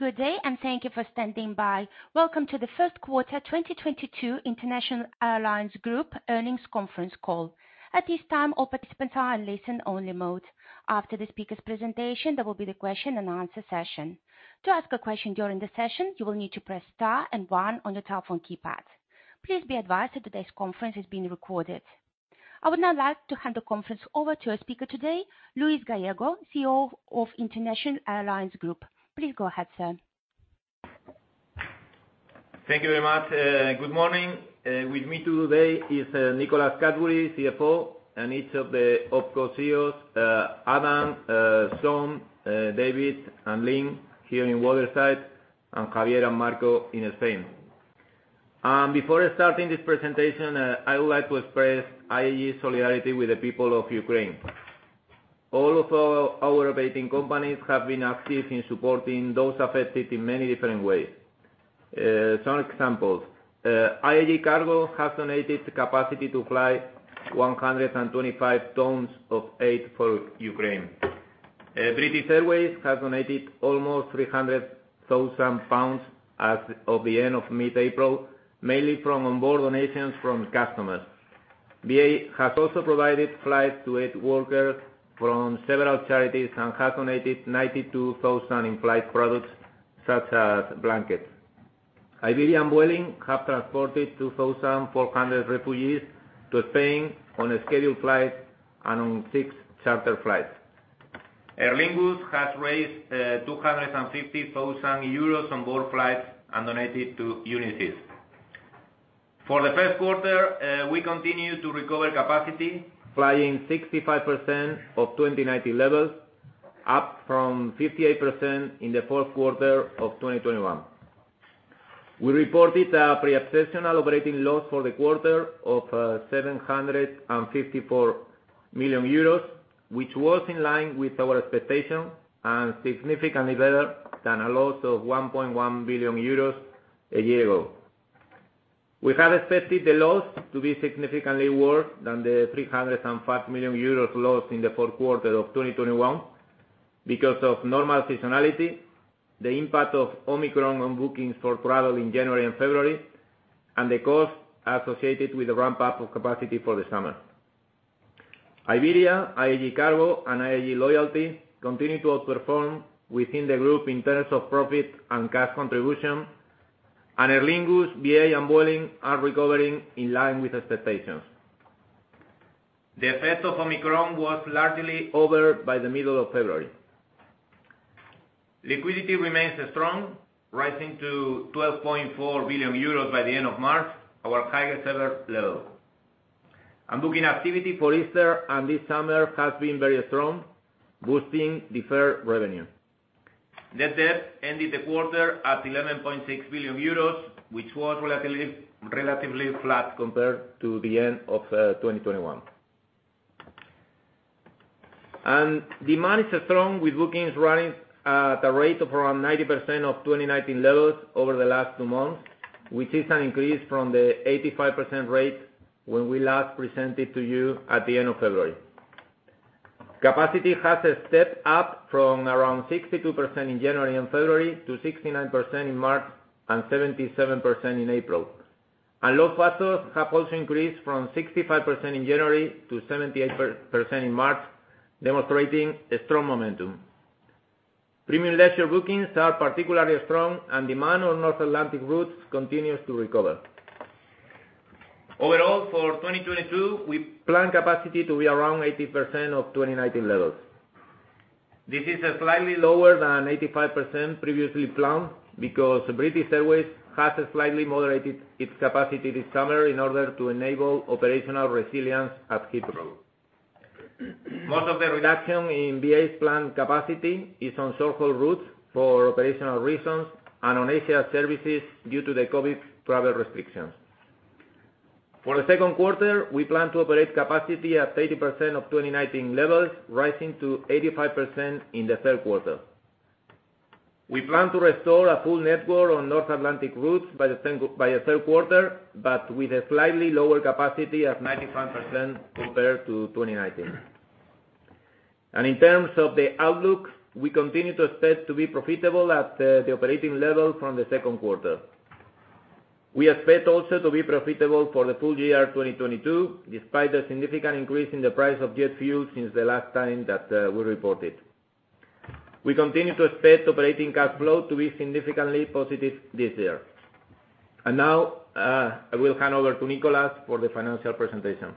Good day, and thank you for standing by. Welcome to the first quarter 2022 International Airlines Group Earnings Conference Call. At this time, all participants are in listen only mode. After the speaker's presentation, there will be the question and answer session. To ask a question during the session, you will need to press star and one on your telephone keypad. Please be advised that today's conference is being recorded. I would now like to hand the conference over to our speaker today, Luis Gallego, CEO of International Airlines Group. Please go ahead, sir. Thank you very much. Good morning. With me today is Nicholas Cadbury, CFO, and each of the opco CEOs, Adam, Sean, David and Lynn here in Waterside, and Javier and Marco in Spain. Before starting this presentation, I would like to express IAG's solidarity with the people of Ukraine. All of our operating companies have been active in supporting those affected in many different ways. Some examples. IAG Cargo has donated the capacity to fly 125 tons of aid for Ukraine. British Airways has donated almost 300,000 pounds as of the end of mid-April, mainly from onboard donations from customers. BA has also provided flights to aid workers from several charities and has donated 92,000 in-flight products such as blankets. Iberia and Vueling have transported 2,400 refugees to Spain on a scheduled flight and on six charter flights. Aer Lingus has raised 250 thousand euros on board flights and donated to UNICEF. For the first quarter, we continue to recover capacity, flying 65% of 2019 levels, up from 58% in the fourth quarter of 2021. We reported a pre-exceptional operating loss for the quarter of 754 million euros, which was in line with our expectation and significantly better than a loss of 1.1 billion euros a year ago. We had expected the loss to be significantly worse than the 305 million euros loss in the fourth quarter of 2021 because of normal seasonality, the impact of Omicron on bookings for travel in January and February, and the cost associated with the ramp-up of capacity for the summer. Iberia, IAG Cargo and IAG Loyalty continue to outperform within the group in terms of profit and cash contribution. Aer Lingus, BA and Vueling are recovering in line with expectations. The effect of Omicron was largely over by the middle of February. Liquidity remains strong, rising to 12.4 billion euros by the end of March, our highest ever level. Booking activity for Easter and this summer has been very strong, boosting deferred revenue. Net debt ended the quarter at 11.6 billion euros, which was relatively flat compared to the end of 2021. Demand is strong with bookings running at a rate of around 90% of 2019 levels over the last two months, which is an increase from the 85% rate when we last presented to you at the end of February. Capacity has stepped up from around 62% in January and February to 69% in March and 77% in April. Load factors have also increased from 65% in January to 78% in March, demonstrating a strong momentum. Premium leisure bookings are particularly strong and demand on North Atlantic routes continues to recover. Overall, for 2022, we plan capacity to be around 80% of 2019 levels. This is a slightly lower than 85% previously planned because British Airways has slightly moderated its capacity this summer in order to enable operational resilience at Heathrow. Most of the reduction in BA's planned capacity is on short-haul routes for operational reasons and on Asia services due to the COVID travel restrictions. For the second quarter, we plan to operate capacity at 80% of 2019 levels, rising to 85% in the third quarter. We plan to restore a full network on North Atlantic routes by the third quarter, but with a slightly lower capacity of 95% compared to 2019. In terms of the outlook, we continue to expect to be profitable at the operating level from the second quarter. We expect also to be profitable for the full year 2022, despite a significant increase in the price of jet fuel since the last time that we reported. We continue to expect operating cash flow to be significantly positive this year. Now, I will hand over to Nicholas for the financial presentation.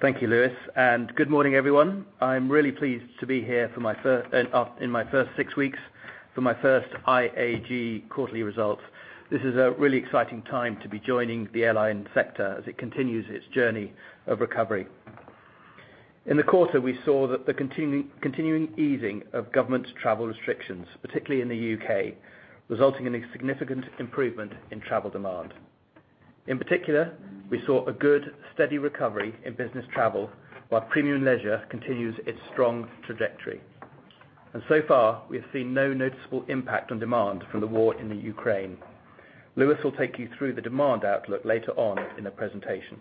Thank you, Luis, and good morning, everyone. I'm really pleased to be here in my first six weeks for my first IAG quarterly results. This is a really exciting time to be joining the airline sector as it continues its journey of recovery. In the quarter, we saw the continuing easing of government travel restrictions, particularly in the U.K., resulting in a significant improvement in travel demand. In particular, we saw a good steady recovery in business travel, while premium leisure continues its strong trajectory. So far, we have seen no noticeable impact on demand from the war in the Ukraine. Luis will take you through the demand outlook later on in the presentation.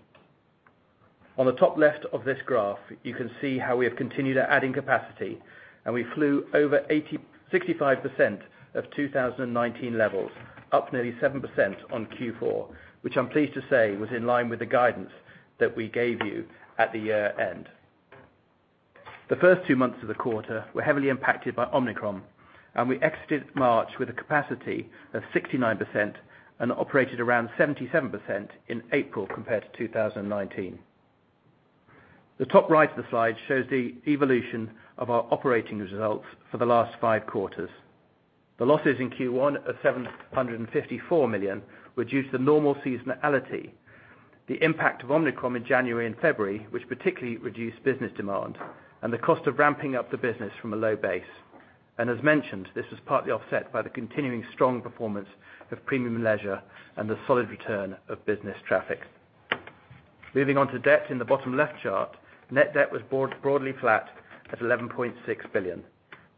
On the top left of this graph, you can see how we have continued adding capacity, and we flew over 65% of 2019 levels, up nearly 7% on Q4, which I'm pleased to say was in line with the guidance that we gave you at the year-end. The first two months of the quarter were heavily impacted by Omicron, and we exited March with a capacity of 69% and operated around 77% in April compared to 2019. The top right of the slide shows the evolution of our operating results for the last five quarters. The losses in Q1 of 754 million reduced to normal seasonality. The impact of Omicron in January and February, which particularly reduced business demand and the cost of ramping up the business from a low base. As mentioned, this was partly offset by the continuing strong performance of premium leisure and the solid return of business traffic. Moving on to debt in the bottom left chart, net debt was broadly flat at 11.6 billion,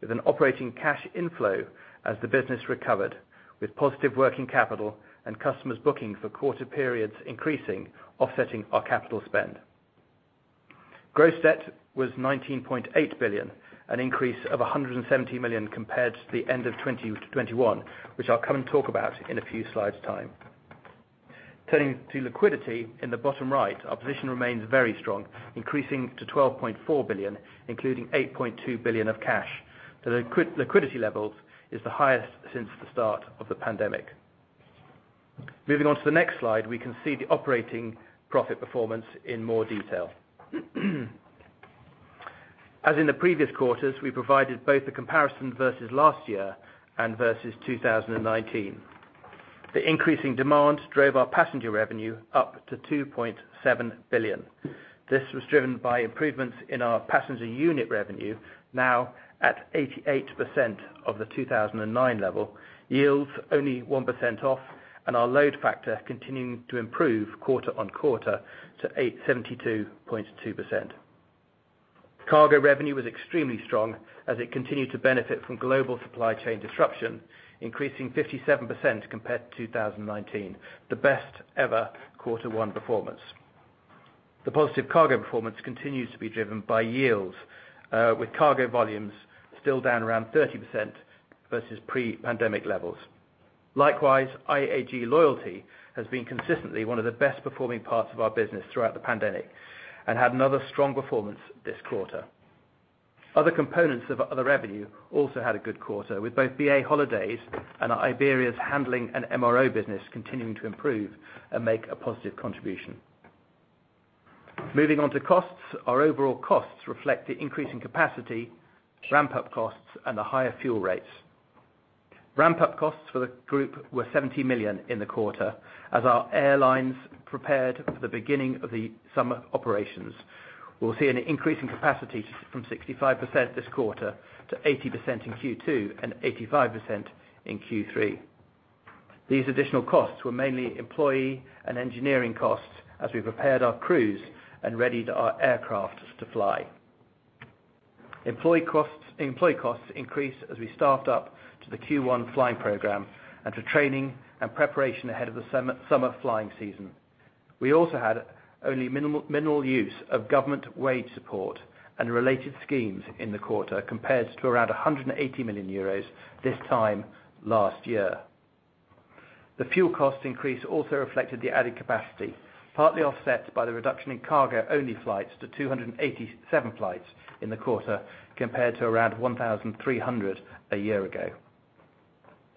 with an operating cash inflow as the business recovered, with positive working capital and customers booking for quarter periods increasing offsetting our capital spend. Gross debt was 19.8 billion, an increase of 170 million compared to the end of 2021, which I'll come and talk about in a few slides time. Turning to liquidity in the bottom right, our position remains very strong, increasing to 12.4 billion, including 8.2 billion of cash. The liquidity levels is the highest since the start of the pandemic. Moving on to the next slide, we can see the operating profit performance in more detail. As in the previous quarters, we provided both the comparison versus last year and versus 2019. The increasing demand drove our passenger revenue up to 2.7 billion. This was driven by improvements in our passenger unit revenue now at 88% of the 2009 level, yields only 1% off, and our load factor continuing to improve quarter-on-quarter to 72.2%. Cargo revenue was extremely strong as it continued to benefit from global supply chain disruption, increasing 57% compared to 2019, the best ever quarter one performance. The positive cargo performance continues to be driven by yields, with cargo volumes still down around 30% versus pre-pandemic levels. Likewise, IAG Loyalty has been consistently one of the best performing parts of our business throughout the pandemic and had another strong performance this quarter. Other components of other revenue also had a good quarter, with both BA Holidays and Iberia's handling and MRO business continuing to improve and make a positive contribution. Moving on to costs, our overall costs reflect the increasing capacity, ramp-up costs, and the higher fuel rates. Ramp-up costs for the group were 70 million in the quarter as our airlines prepared for the beginning of the summer operations. We'll see an increase in capacity from 65% this quarter to 80% in Q2 and 85% in Q3. These additional costs were mainly employee and engineering costs as we prepared our crews and readied our aircraft to fly. Employee costs increased as we staffed up to the Q1 flying program and for training and preparation ahead of the summer flying season. We also had only minimal use of government wage support and related schemes in the quarter, compared to around 180 million euros this time last year. The fuel cost increase also reflected the added capacity, partly offset by the reduction in cargo-only flights to 287 flights in the quarter, compared to around 1,300 a year ago.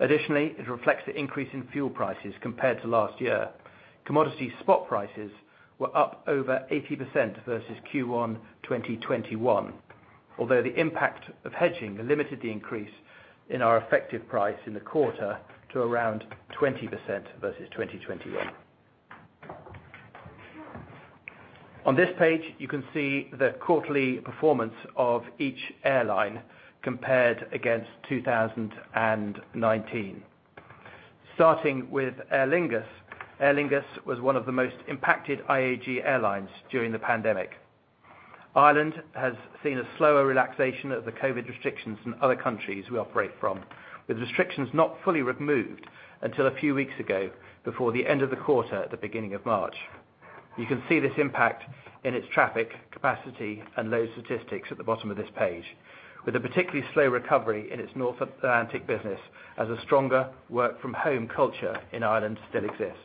Additionally, it reflects the increase in fuel prices compared to last year. Commodity spot prices were up over 80% versus Q1 2021, although the impact of hedging limited the increase in our effective price in the quarter to around 20% versus 2021. On this page, you can see the quarterly performance of each airline compared against 2019. Starting with Aer Lingus. Aer Lingus was one of the most impacted IAG airlines during the pandemic. Ireland has seen a slower relaxation of the COVID restrictions than other countries we operate from, with restrictions not fully removed until a few weeks ago before the end of the quarter at the beginning of March. You can see this impact in its traffic, capacity, and load statistics at the bottom of this page, with a particularly slow recovery in its North Atlantic business as a stronger work from home culture in Ireland still exists.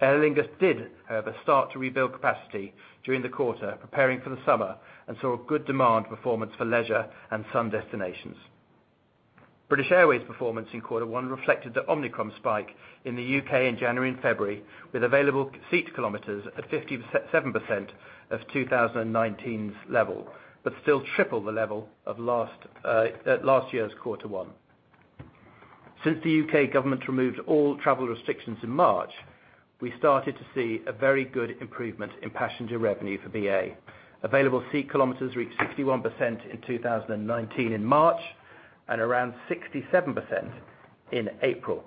Aer Lingus did, however, start to rebuild capacity during the quarter, preparing for the summer, and saw a good demand performance for leisure and sun destinations. British Airways' performance in quarter one reflected the Omicron spike in the U.K. in January and February, with available seat kilometers at 57% of 2019's level, but still triple the level of last year's quarter one. Since the U.K. government removed all travel restrictions in March, we started to see a very good improvement in passenger revenue for BA. Available seat kilometers reached 61% in 2019 in March and around 67% in April.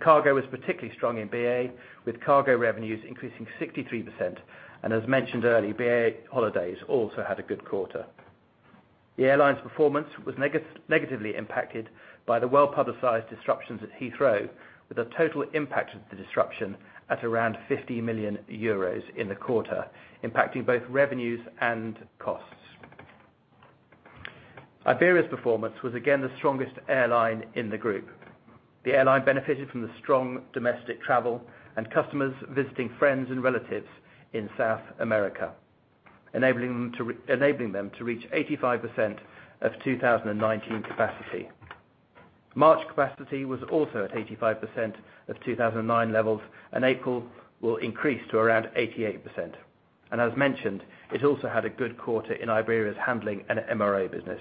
Cargo was particularly strong in BA, with cargo revenues increasing 63%. As mentioned earlier, BA Holidays also had a good quarter. The airline's performance was negatively impacted by the well-publicized disruptions at Heathrow, with a total impact of the disruption at around 50 million euros in the quarter, impacting both revenues and costs. Iberia's performance was again the strongest airline in the group. The airline benefited from the strong domestic travel and customers visiting friends and relatives in South America, enabling them to reach 85% of 2019 capacity. March capacity was also at 85% of 2019 levels, and April will increase to around 88%. As mentioned, it also had a good quarter in Iberia's handling and MRO business.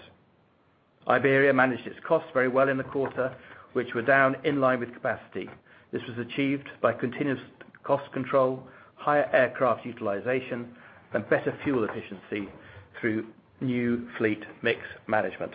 Iberia managed its costs very well in the quarter, which were down in line with capacity. This was achieved by continuous cost control, higher aircraft utilization, and better fuel efficiency through new fleet mix management.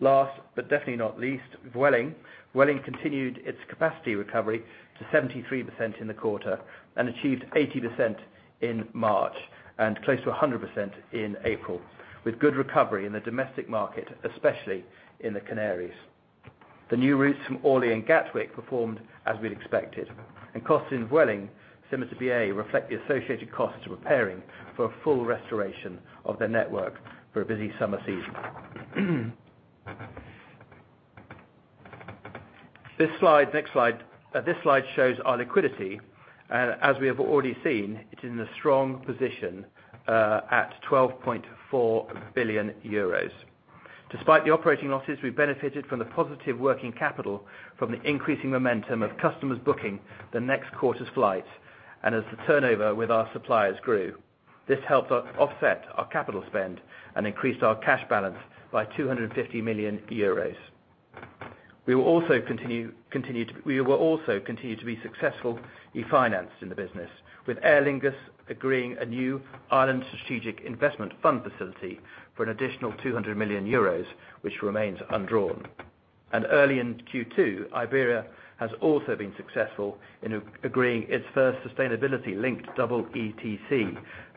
Last but definitely not least, Vueling. Vueling continued its capacity recovery to 73% in the quarter and achieved 80% in March, and close to 100% in April, with good recovery in the domestic market, especially in the Canaries. The new routes from Orly and Gatwick performed as we'd expected, and costs in Vueling, similar to BA, reflect the associated costs of preparing for a full restoration of their network for a busy summer season. This slide, next slide, this slide shows our liquidity. As we have already seen, it is in a strong position, at 12.4 billion euros. Despite the operating losses, we benefited from the positive working capital from the increasing momentum of customers booking the next quarter's flights, and as the turnover with our suppliers grew. This helped us offset our capital spend and increased our cash balance by 250 million euros. We will also continue to be successful in financing the business, with Aer Lingus agreeing a new Ireland Strategic Investment Fund facility for an additional 200 million euros, which remains undrawn. Early in Q2, Iberia has also been successful in agreeing its first sustainability-linked double EETC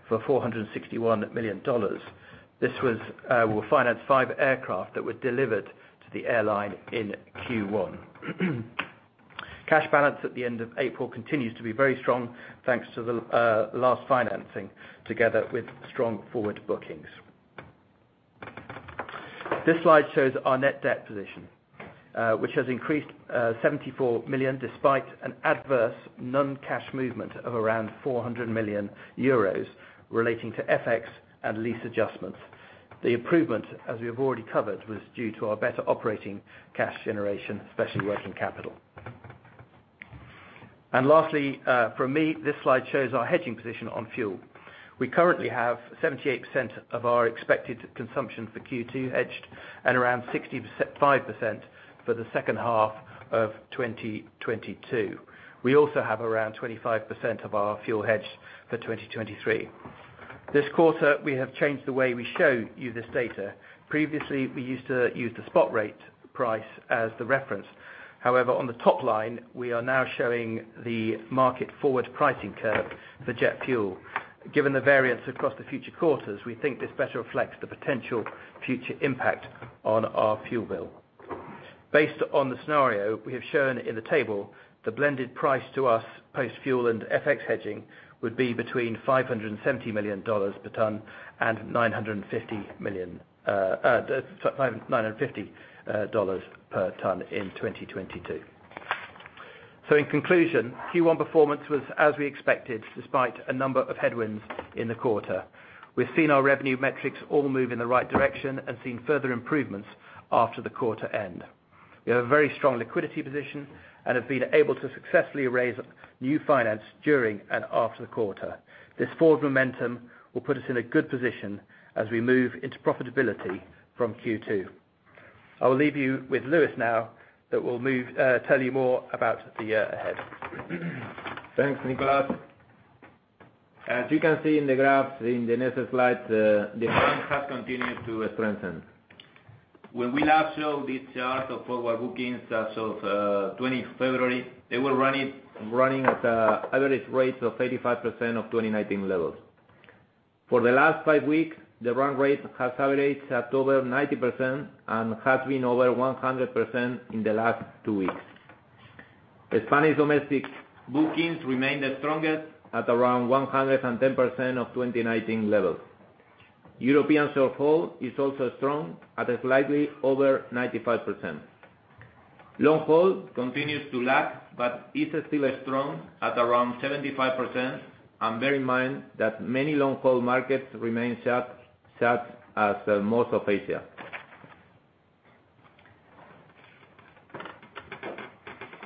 for $461 million. This will finance five aircraft that were delivered to the airline in Q1. Cash balance at the end of April continues to be very strong, thanks to the last financing, together with strong forward bookings. This slide shows our net debt position, which has increased 74 million despite an adverse non-cash movement of around 400 million euros relating to FX and lease adjustments. The improvement, as we have already covered, was due to our better operating cash generation, especially working capital. Lastly, from me, this slide shows our hedging position on fuel. We currently have 78% of our expected consumption for Q2 hedged, and around 65% for the second half of 2022. We also have around 25% of our fuel hedged for 2023. This quarter, we have changed the way we show you this data. Previously, we used to use the spot rate price as the reference. However, on the top line, we are now showing the market forward pricing curve for jet fuel. Given the variance across the future quarters, we think this better reflects the potential future impact on our fuel bill. Based on the scenario we have shown in the table, the blended price to us post fuel and FX hedging would be between $570 per ton and $950 per ton in 2022. In conclusion, Q1 performance was as we expected, despite a number of headwinds in the quarter. We've seen our revenue metrics all move in the right direction and seen further improvements after the quarter end. We have a very strong liquidity position and have been able to successfully raise new finance during and after the quarter. This forward momentum will put us in a good position as we move into profitability from Q2. I will leave you with Luis now, who will tell you more about the year ahead. Thanks, Nicholas. As you can see in the graphs in the next slide, demand has continued to strengthen. When we last showed this chart of forward bookings as of 20 February, they were running at average rates of 85% of 2019 levels. For the last five weeks, the run rate has averaged at over 90% and has been over 100% in the last two weeks. Spanish domestic bookings remain the strongest at around 110% of 2019 levels. European short-haul is also strong at slightly over 95%. Long-haul continues to lag, but is still strong at around 75%, and bear in mind that many long-haul markets remain shut as most of Asia.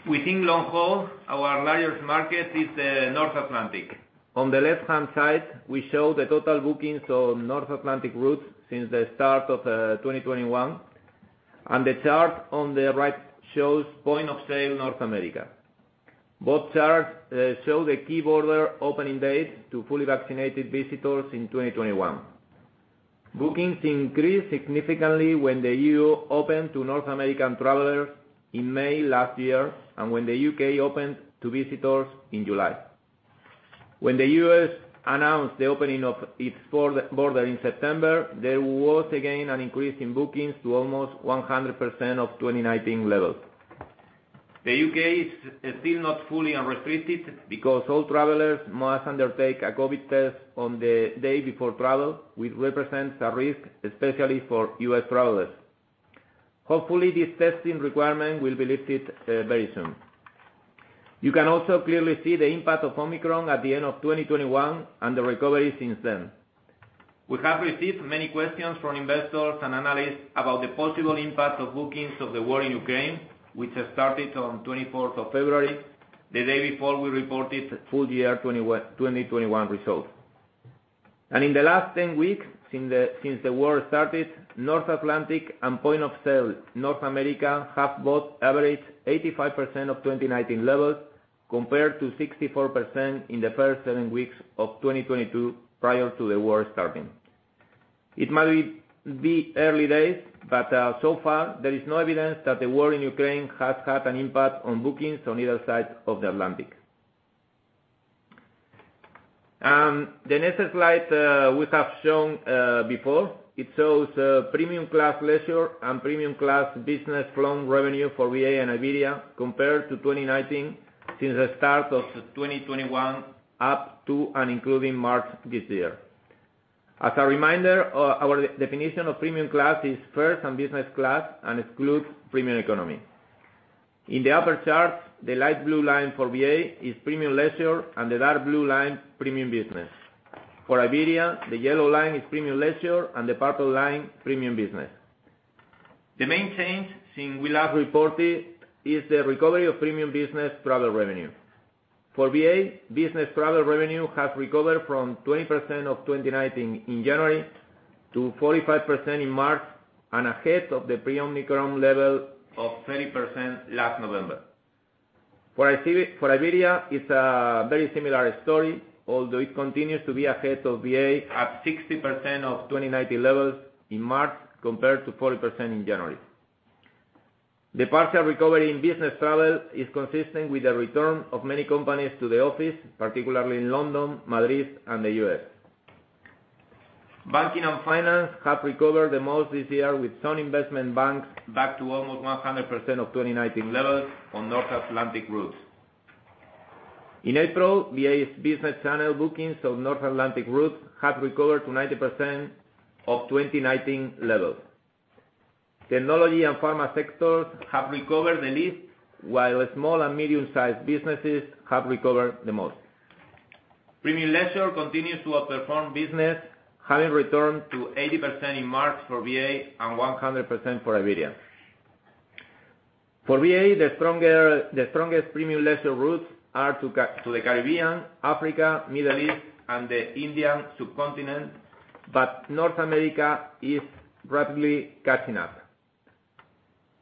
Within long-haul, our largest market is the North Atlantic. On the left-hand side, we show the total bookings on North Atlantic routes since the start of 2021, and the chart on the right shows point of sale North America. Both charts show the key border opening dates to fully vaccinated visitors in 2021. Bookings increased significantly when the EU opened to North American travelers in May last year and when the UK opened to visitors in July. When the US announced the opening of its border in September, there was again an increase in bookings to almost 100% of 2019 levels. The UK is still not fully unrestricted because all travelers must undertake a COVID test on the day before travel, which represents a risk, especially for US travelers. Hopefully, this testing requirement will be lifted very soon. You can also clearly see the impact of Omicron at the end of 2021 and the recovery since then. We have received many questions from investors and analysts about the possible impact of bookings of the war in Ukraine, which has started on February 24, the day before we reported full year 2021 results. In the last 10 weeks since the war started, North Atlantic and point of sale North America have both averaged 85% of 2019 levels, compared to 64% in the first seven weeks of 2022 prior to the war starting. It might be early days, but so far there is no evidence that the war in Ukraine has had an impact on bookings on either side of the Atlantic. The next slide, we have shown, before. It shows premium class leisure and premium class business long-haul revenue for BA and Iberia compared to 2019 since the start of 2021 up to and including March this year. As a reminder, our definition of premium class is first and business class and excludes premium economy. In the upper chart, the light blue line for BA is premium leisure, and the dark blue line premium business. For Iberia, the yellow line is premium leisure, and the purple line premium business. The main change since we last reported is the recovery of premium business travel revenue. For BA, business travel revenue has recovered from 20% of 2019 in January to 45% in March and ahead of the pre-Omicron level of 30% last November. For Iberia, it's a very similar story, although it continues to be ahead of BA at 60% of 2019 levels in March, compared to 40% in January. The partial recovery in business travel is consistent with the return of many companies to the office, particularly in London, Madrid, and the U.S. Banking and finance have recovered the most this year, with some investment banks back to almost 100% of 2019 levels on North Atlantic routes. In April, BA's business channel bookings on North Atlantic routes have recovered to 90% of 2019 levels. Technology and pharma sectors have recovered the least, while small and medium-sized businesses have recovered the most. Premium leisure continues to outperform business, having returned to 80% in March for BA and 100% for Iberia. For BA, the strongest premium leisure routes are to the Caribbean, Africa, Middle East, and the Indian subcontinent, but North America is rapidly catching up.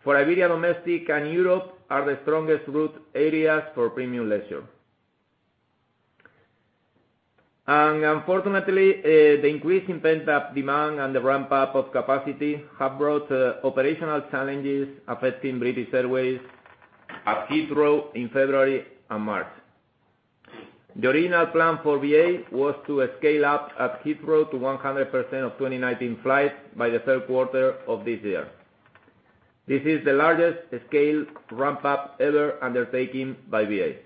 For Iberia, domestic and Europe are the strongest route areas for premium leisure. Unfortunately, the increase in pent-up demand and the ramp-up of capacity have brought operational challenges affecting British Airways at Heathrow in February and March. The original plan for BA was to scale up at Heathrow to 100% of 2019 flights by the third quarter of this year. This is the largest scale ramp-up ever undertaken by BA.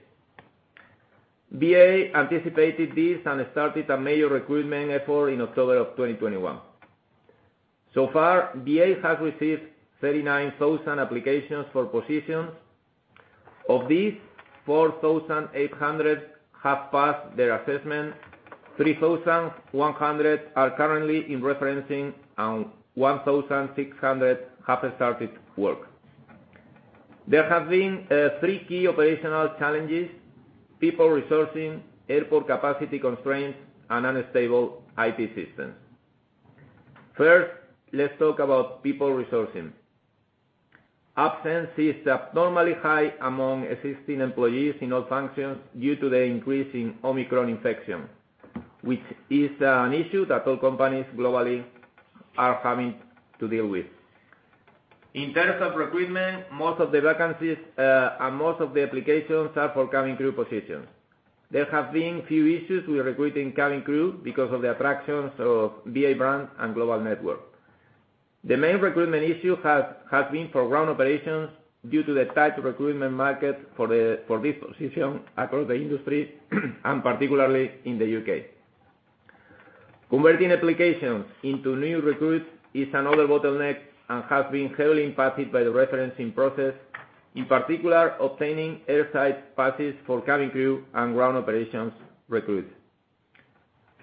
BA anticipated this and started a major recruitment effort in October 2021. So far, BA has received 39,000 applications for positions. Of these, 4,800 have passed their assessment, 3,100 are currently in referencing, and 1,600 have started work. There have been three key operational challenges. People resourcing, airport capacity constraints, and unstable IT systems. First, let's talk about people resourcing. Absence is abnormally high among existing employees in all functions due to the increase in Omicron infection, which is an issue that all companies globally are having to deal with. In terms of recruitment, most of the vacancies and most of the applications are for cabin crew positions. There have been few issues with recruiting cabin crew because of the attractions of BA brand and global network. The main recruitment issue has been for ground operations due to the tight recruitment market for this position across the industry, and particularly in the UK. Converting applications into new recruits is another bottleneck and has been heavily impacted by the referencing process, in particular, obtaining airside passes for cabin crew and ground operations recruits.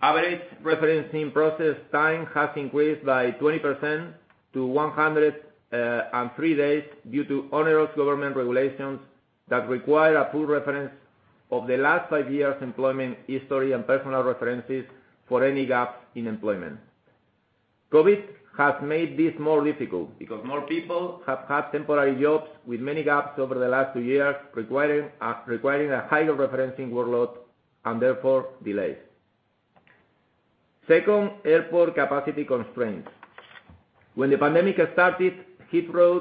Average referencing process time has increased by 20% to 103 days due to onerous government regulations that require a full reference of the last five years' employment history and personal references for any gaps in employment. COVID has made this more difficult because more people have had temporary jobs with many gaps over the last two years requiring a higher referencing workload and therefore delays. Second, airport capacity constraints. When the pandemic started, Heathrow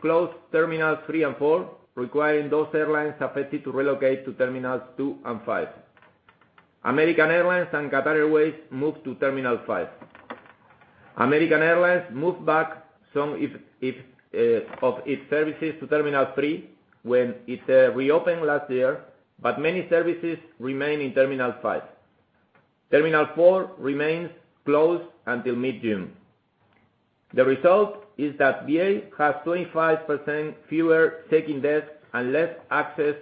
closed terminals 3 and 4, requiring those airlines affected to relocate to terminals 2 and 5. American Airlines and Qatar Airways moved to terminal 5. American Airlines moved back some of its services to Terminal 3 when it reopened last year, but many services remain in Terminal 5. Terminal 4 remains closed until mid-June. The result is that BA has 25% fewer check-in desks and less access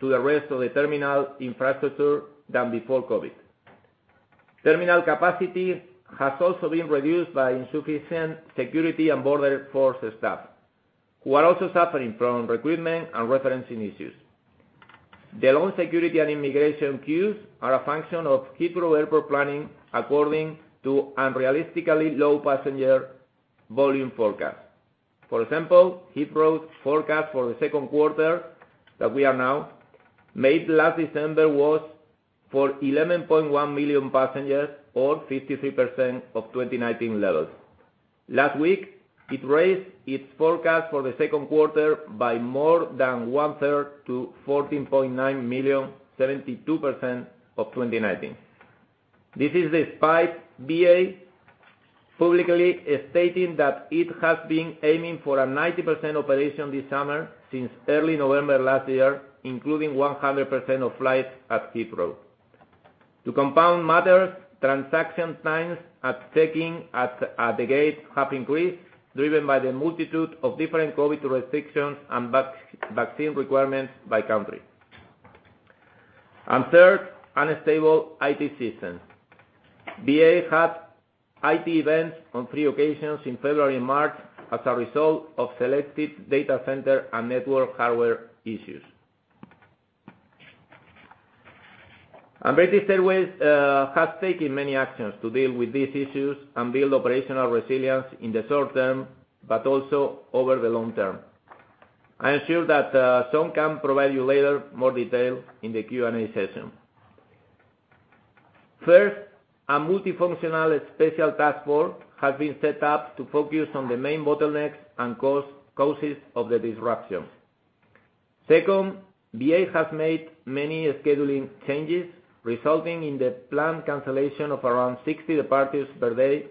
to the rest of the terminal infrastructure than before COVID. Terminal capacity has also been reduced by insufficient security and border force staff, who are also suffering from recruitment and referencing issues. The long security and immigration queues are a function of Heathrow Airport planning according to unrealistically low passenger volume forecast. For example, Heathrow's forecast for the second quarter, that we are now, made last December was for 11.1 million passengers or 53% of 2019 levels. Last week, it raised its forecast for the second quarter by more than one-third to 14.9 million, 72% of 2019. This is despite BA publicly stating that it has been aiming for a 90% operation this summer since early November last year, including 100% of flights at Heathrow. To compound matters, transaction times at check-in and at the gate have increased, driven by the multitude of different COVID restrictions and vaccine requirements by country. Third, unstable IT systems. BA had IT events on three occasions in February and March as a result of selected data center and network hardware issues. British Airways has taken many actions to deal with these issues and build operational resilience in the short term, but also over the long term. I am sure that some can provide you later more detail in the Q&A session. First, a multifunctional special task force has been set up to focus on the main bottlenecks and causes of the disruption. Second, BA has made many scheduling changes, resulting in the planned cancellation of around 60 departures per day,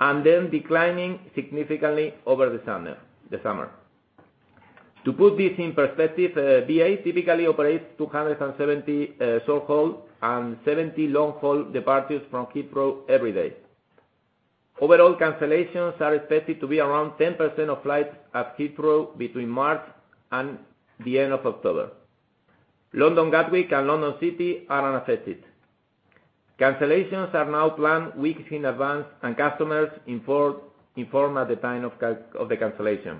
and then declining significantly over the summer. To put this in perspective, BA typically operates 270 short-haul and 70 long-haul departures from Heathrow every day. Overall, cancellations are expected to be around 10% of flights at Heathrow between March and the end of October. London Gatwick and London City are unaffected. Cancellations are now planned weeks in advance and customers informed at the time of the cancellation.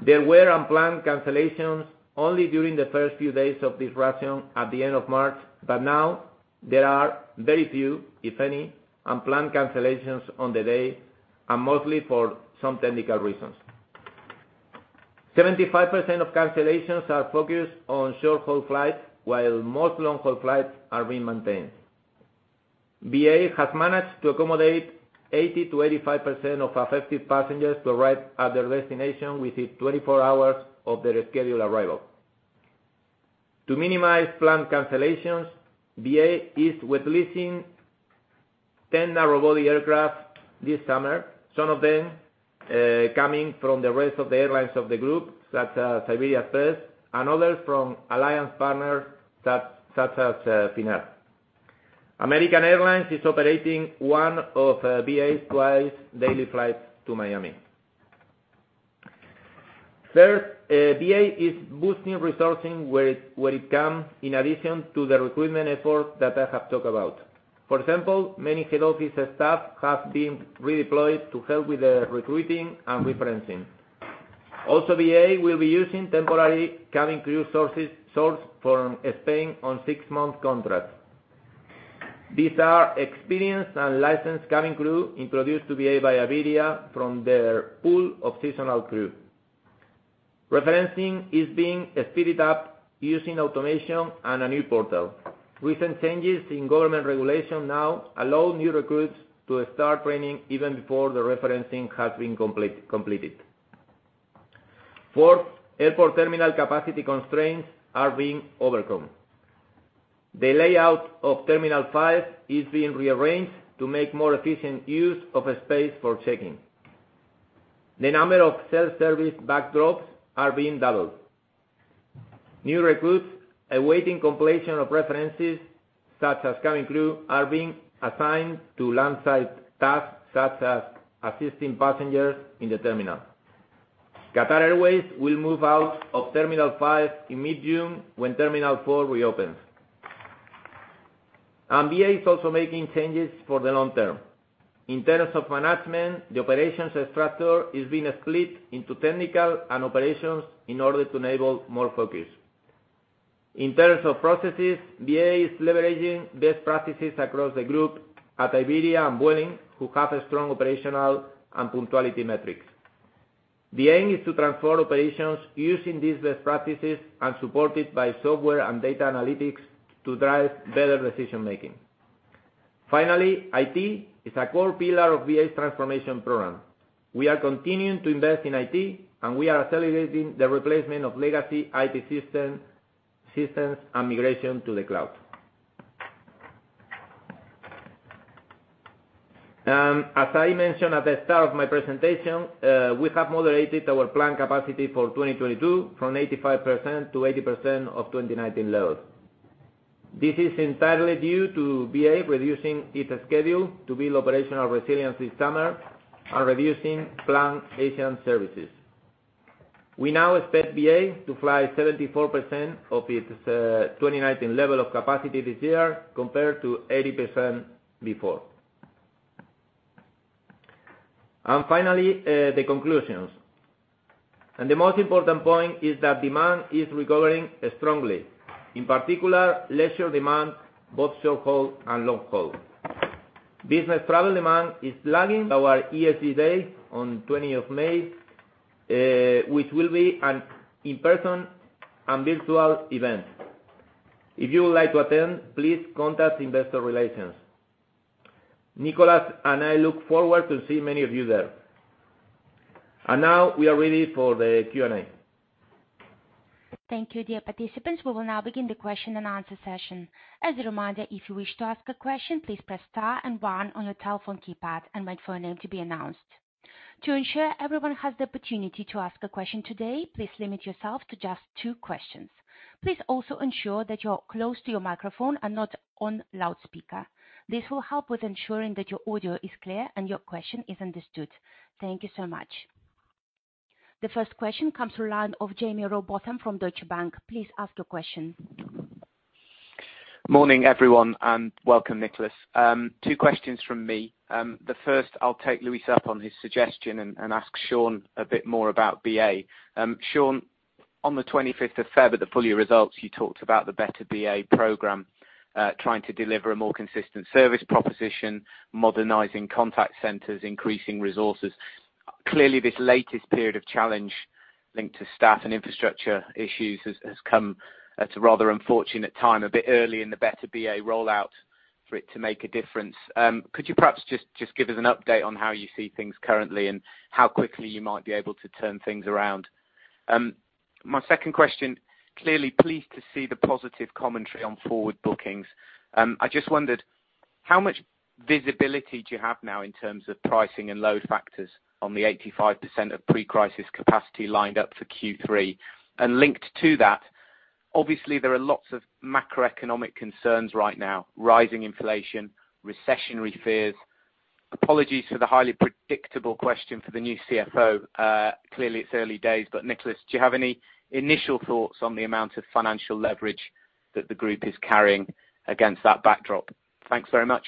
There were unplanned cancellations only during the first few days of disruption at the end of March, but now there are very few, if any, unplanned cancellations on the day, and mostly for some technical reasons. 75% of cancellations are focused on short-haul flights, while most long-haul flights are being maintained. BA has managed to accommodate 80%-85% of affected passengers to arrive at their destination within 24 hours of their scheduled arrival. To minimize planned cancellations, BA is wet leasing 10 narrow-body aircraft this summer. Some of them, coming from the rest of the airlines of the group, such as Iberia Express, and others from alliance partners such as Finnair. American Airlines is operating one of BA's twice daily flights to Miami. Third, BA is boosting resourcing where it can, in addition to the recruitment effort that I have talked about. For example, many head office staff have been redeployed to help with the recruiting and referencing. Also, BA will be using temporary cabin crew sourced from Spain on six-month contracts. These are experienced and licensed cabin crew introduced to BA by Iberia from their pool of seasonal crew. Referencing is being sped up using automation and a new portal. Recent changes in government regulation now allow new recruits to start training even before the referencing has been completed. Fourth, airport terminal capacity constraints are being overcome. The layout of Terminal 5 is being rearranged to make more efficient use of space for check-in. The number of self-service bag drops are being doubled. New recruits awaiting completion of references, such as cabin crew, are being assigned to land-side tasks, such as assisting passengers in the terminal. Qatar Airways will move out of terminal five in mid-June when terminal four reopens. BA is also making changes for the long term. In terms of management, the operations structure is being split into technical and operations in order to enable more focus. In terms of processes, BA is leveraging best practices across the group at Iberia and Vueling, who have strong operational and punctuality metrics. The aim is to transform operations using these best practices and supported by software and data analytics to drive better decision making. Finally, IT is a core pillar of BA's transformation program. We are continuing to invest in IT, and we are accelerating the replacement of legacy IT systems and migration to the cloud. As I mentioned at the start of my presentation, we have moderated our planned capacity for 2022 from 85% to 80% of 2019 levels. This is entirely due to BA reducing its schedule to build operational resilience this summer and reducing planned Asian services. We now expect BA to fly 74% of its 2019 level of capacity this year compared to 80% before. Finally, the conclusions. The most important point is that demand is recovering strongly. In particular, leisure demand, both short-haul and long-haul. Business travel demand is lagging our ESG day on May 20, which will be an in-person and virtual event. If you would like to attend, please contact investor relations. Nicholas and I look forward to see many of you there. Now we are ready for the Q&A. Thank you, dear participants. We will now begin the question-and-answer session. As a reminder, if you wish to ask a question, please press star and one on your telephone keypad and wait for your name to be announced. To ensure everyone has the opportunity to ask a question today, please limit yourself to just two questions. Please also ensure that you're close to your microphone and not on loudspeaker. This will help with ensuring that your audio is clear and your question is understood. Thank you so much. The first question comes from the line of Jaime Rowbotham from Deutsche Bank. Please ask your question. Morning, everyone, and welcome, Nicholas. Two questions from me. The first, I'll take Luis up on his suggestion and ask Sean a bit more about BA. Sean, on the 25th of February at the full year results, you talked about the Better BA program, trying to deliver a more consistent service proposition, modernizing contact centers, increasing resources. Clearly, this latest period of challenge linked to staff and infrastructure issues has come at a rather unfortunate time, a bit early in the Better BA rollout for it to make a difference. Could you perhaps just give us an update on how you see things currently and how quickly you might be able to turn things around? My second question, clearly pleased to see the positive commentary on forward bookings. I just wondered, how much visibility do you have now in terms of pricing and load factors on the 85% of pre-crisis capacity lined up for Q3? Linked to that, obviously there are lots of macroeconomic concerns right now, rising inflation, recessionary fears. Apologies for the highly predictable question for the new CFO. Clearly it's early days, but Nicholas, do you have any initial thoughts on the amount of financial leverage that the group is carrying against that backdrop? Thanks very much.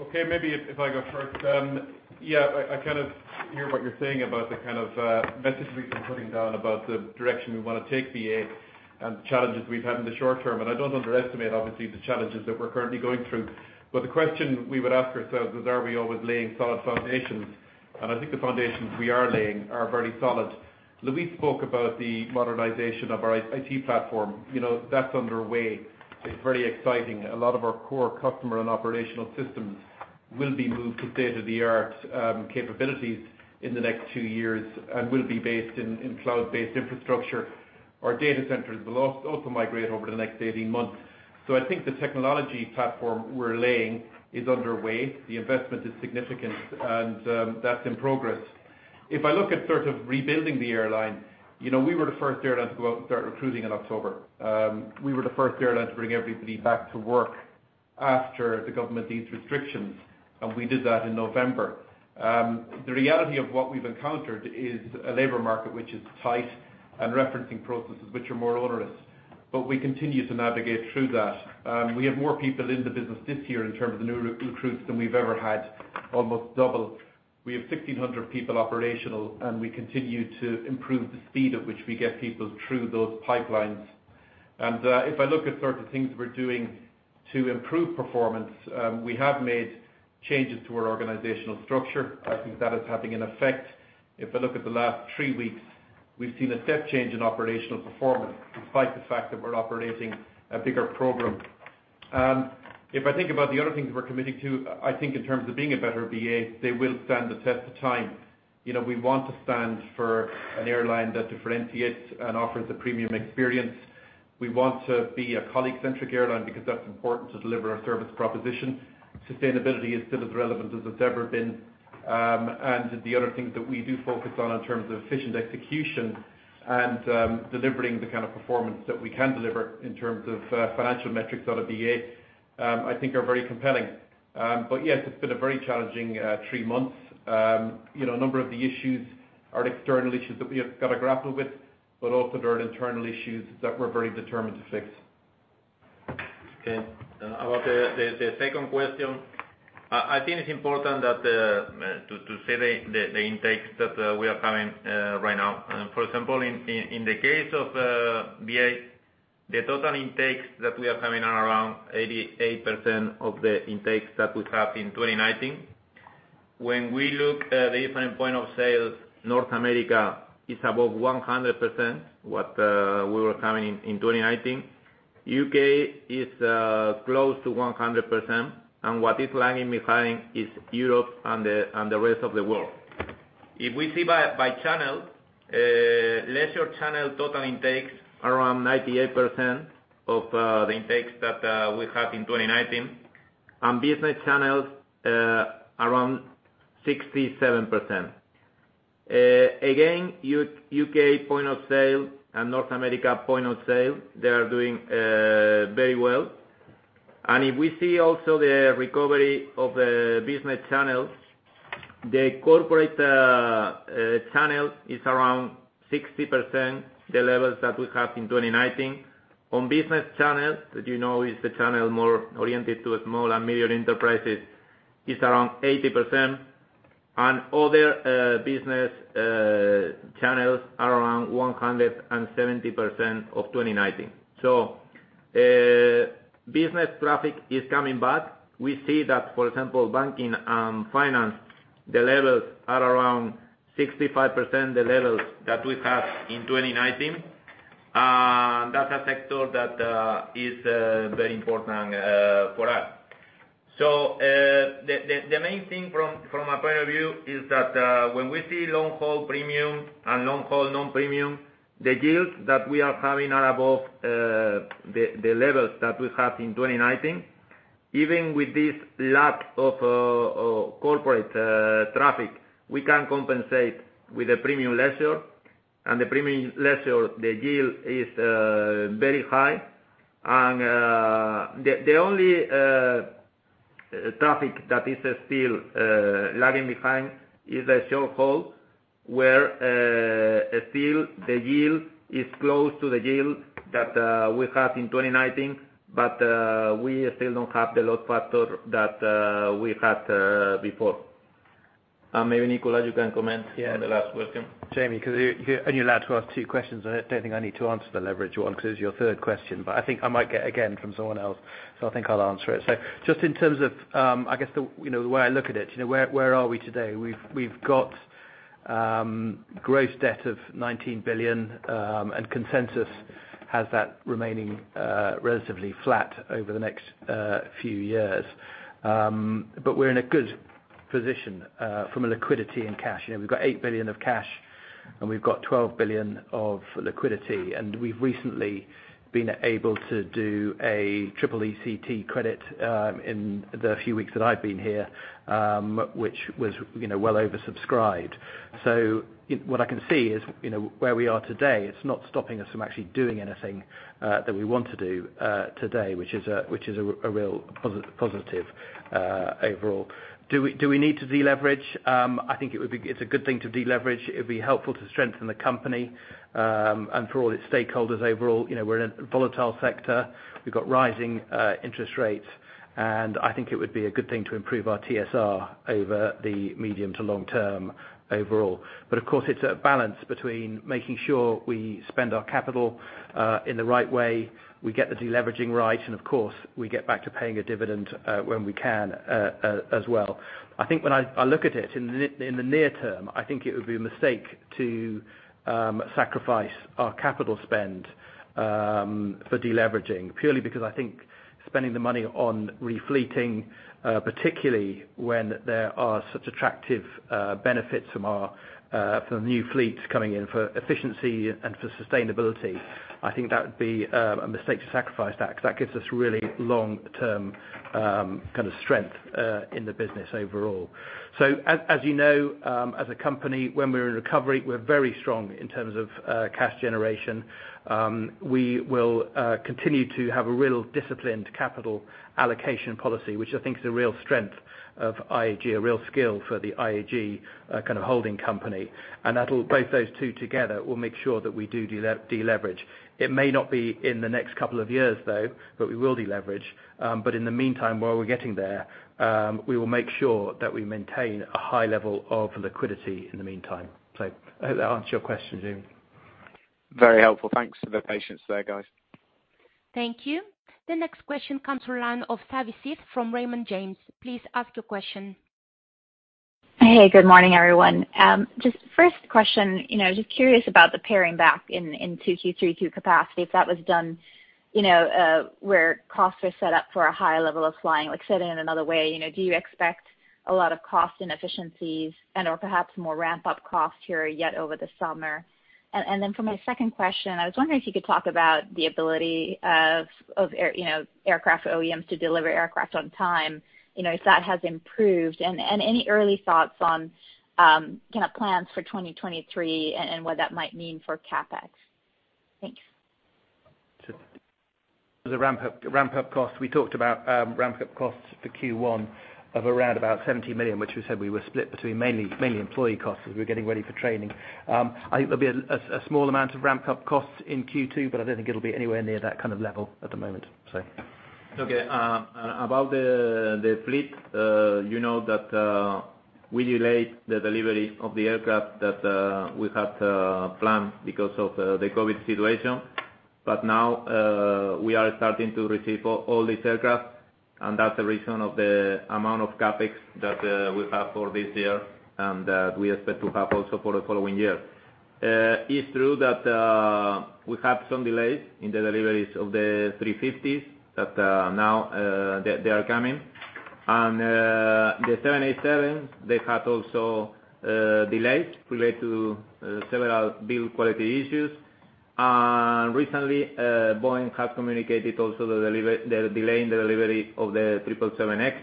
Okay, maybe if I go first. Yeah, I kind of hear what you're saying about the kind of message we've been putting down about the direction we wanna take BA and the challenges we've had in the short term. I don't underestimate obviously the challenges that we're currently going through. The question we would ask ourselves is, are we always laying solid foundations? I think the foundations we are laying are very solid. Luis spoke about the modernization of our IT platform. You know, that's underway. It's very exciting. A lot of our core customer and operational systems will be moved to state-of-the-art capabilities in the next two years and will be based in cloud-based infrastructure. Our data centers will also migrate over the next 18 months. I think the technology platform we're laying is underway. The investment is significant, and that's in progress. If I look at sort of rebuilding the airline, you know, we were the first airline to go out and start recruiting in October. We were the first airline to bring everybody back to work after the government eased restrictions, and we did that in November. The reality of what we've encountered is a labor market which is tight and referencing processes which are more onerous. We continue to navigate through that. We have more people in the business this year in terms of new recruits than we've ever had, almost double. We have 1,600 people operational, and we continue to improve the speed at which we get people through those pipelines. If I look at sort of things we're doing to improve performance, we have made changes to our organizational structure. I think that is having an effect. If I look at the last three weeks, we've seen a step change in operational performance despite the fact that we're operating a bigger program. If I think about the other things we're committing to, I think in terms of being a Better BA, they will stand the test of time. You know, we want to stand for an airline that differentiates and offers a premium experience. We want to be a colleague-centric airline because that's important to deliver our service proposition. Sustainability is still as relevant as it's ever been. The other things that we do focus on in terms of efficient execution and, delivering the kind of performance that we can deliver in terms of, financial metrics out of BA, I think are very compelling. Yes, it's been a very challenging three months. You know, a number of the issues are external issues that we have got to grapple with, but also there are internal issues that we're very determined to fix. Okay. About the second question, I think it's important to say the intakes that we are having right now. For example, in the case of BA. The total intakes that we are having are around 88% of the intakes that we have in 2019. When we look at the different points of sale, North America is above 100% what we were having in 2019. UK is close to 100%, and what is lagging behind is Europe and the rest of the world. If we see by channel, leisure channel total intakes around 98% of the intakes that we had in 2019, and business channels around 67%. Again, UK point of sale and North America point of sale, they are doing very well. If we see also the recovery of the business channels, the corporate channel is around 60% the levels that we had in 2019. On business channels, that you know is the channel more oriented to small and medium enterprises, is around 80%. Other business channels are around 170% of 2019. Business traffic is coming back. We see that, for example, banking and finance, the levels are around 65% the levels that we had in 2019. That's a sector that is very important for us. The main thing from my point of view is that when we see long-haul premium and long-haul non-premium, the yields that we are having are above the levels that we had in 2019. Even with this lack of corporate traffic, we can compensate with the premium leisure, and the premium leisure, the yield is very high. The only traffic that is still lagging behind is the short-haul, where still the yield is close to the yield that we had in 2019, but we still don't have the load factor that we had before. Maybe Nicholas, you can comment. Yeah. on the last question. Jaime, 'cause you're only allowed to ask two questions. I don't think I need to answer the leverage one because it's your third question, but I think I might get it again from someone else, so I think I'll answer it. Just in terms of, I guess, you know, the way I look at it, you know, where are we today? We've got gross debt of 19 billion, and consensus has that remaining relatively flat over the next few years. But we're in a good position from a liquidity and cash. You know, we've got 8 billion of cash, and we've got 12 billion of liquidity. We've recently been able to do a triple EETC credit in the few weeks that I've been here, which was, you know, well oversubscribed. What I can see is, you know, where we are today, it's not stopping us from actually doing anything that we want to do today, which is a real positive overall. Do we need to deleverage? I think it's a good thing to deleverage. It'd be helpful to strengthen the company and for all its stakeholders overall. You know, we're in a volatile sector. We've got rising interest rates, and I think it would be a good thing to improve our TSR over the medium to long term overall. Of course, it's a balance between making sure we spend our capital in the right way, we get the deleveraging right, and of course, we get back to paying a dividend when we can as well. I think when I look at it, in the near term, I think it would be a mistake to sacrifice our capital spend for deleveraging, purely because I think spending the money on refleeting, particularly when there are such attractive benefits from our new fleets coming in for efficiency and for sustainability, I think that would be a mistake to sacrifice that, because that gives us really long-term kind of strength in the business overall. As you know, as a company, when we're in recovery, we're very strong in terms of cash generation. We will continue to have a real disciplined capital allocation policy, which I think is a real strength of IAG, a real skill for the IAG kind of holding company. That'll both those two together will make sure that we do deleverage. It may not be in the next couple of years, though, but we will deleverage. In the meantime, while we're getting there, we will make sure that we maintain a high level of liquidity in the meantime. I hope that answers your question, Jaime. Very helpful. Thanks for the patience there, guys. Thank you. The next question comes from the line of Savanthi Syth from Raymond James. Please ask your question. Hey, good morning, everyone. Just first question, you know, just curious about the paring back in 2Q, 3Q capacity. If that was done, you know, where costs were set up for a higher level of flying. Like I said, in another way, you know, do you expect a lot of cost inefficiencies and/or perhaps more ramp-up costs here yet over the summer? Then for my second question, I was wondering if you could talk about the ability of aircraft OEMs to deliver aircraft on time, you know, if that has improved. Any early thoughts on kind of plans for 2023 and what that might mean for CapEx. Thanks. The ramp-up costs. We talked about ramp-up costs for Q1 of around about 70 million, which we said were split between mainly employee costs as we were getting ready for training. I think there'll be a small amount of ramp-up costs in Q2, but I don't think it'll be anywhere near that kind of level at the moment. Okay. About the fleet, you know that we delayed the delivery of the aircraft that we had planned because of the COVID situation. Now we are starting to receive all these aircraft, and that's the reason of the amount of CapEx that we have for this year and that we expect to have also for the following year. It's true that we have some delays in the deliveries of the three-fifties that now they are coming. The seven-eight-sevens had also delays related to several build quality issues. Recently Boeing have communicated also the delay in the delivery of the triple seven X.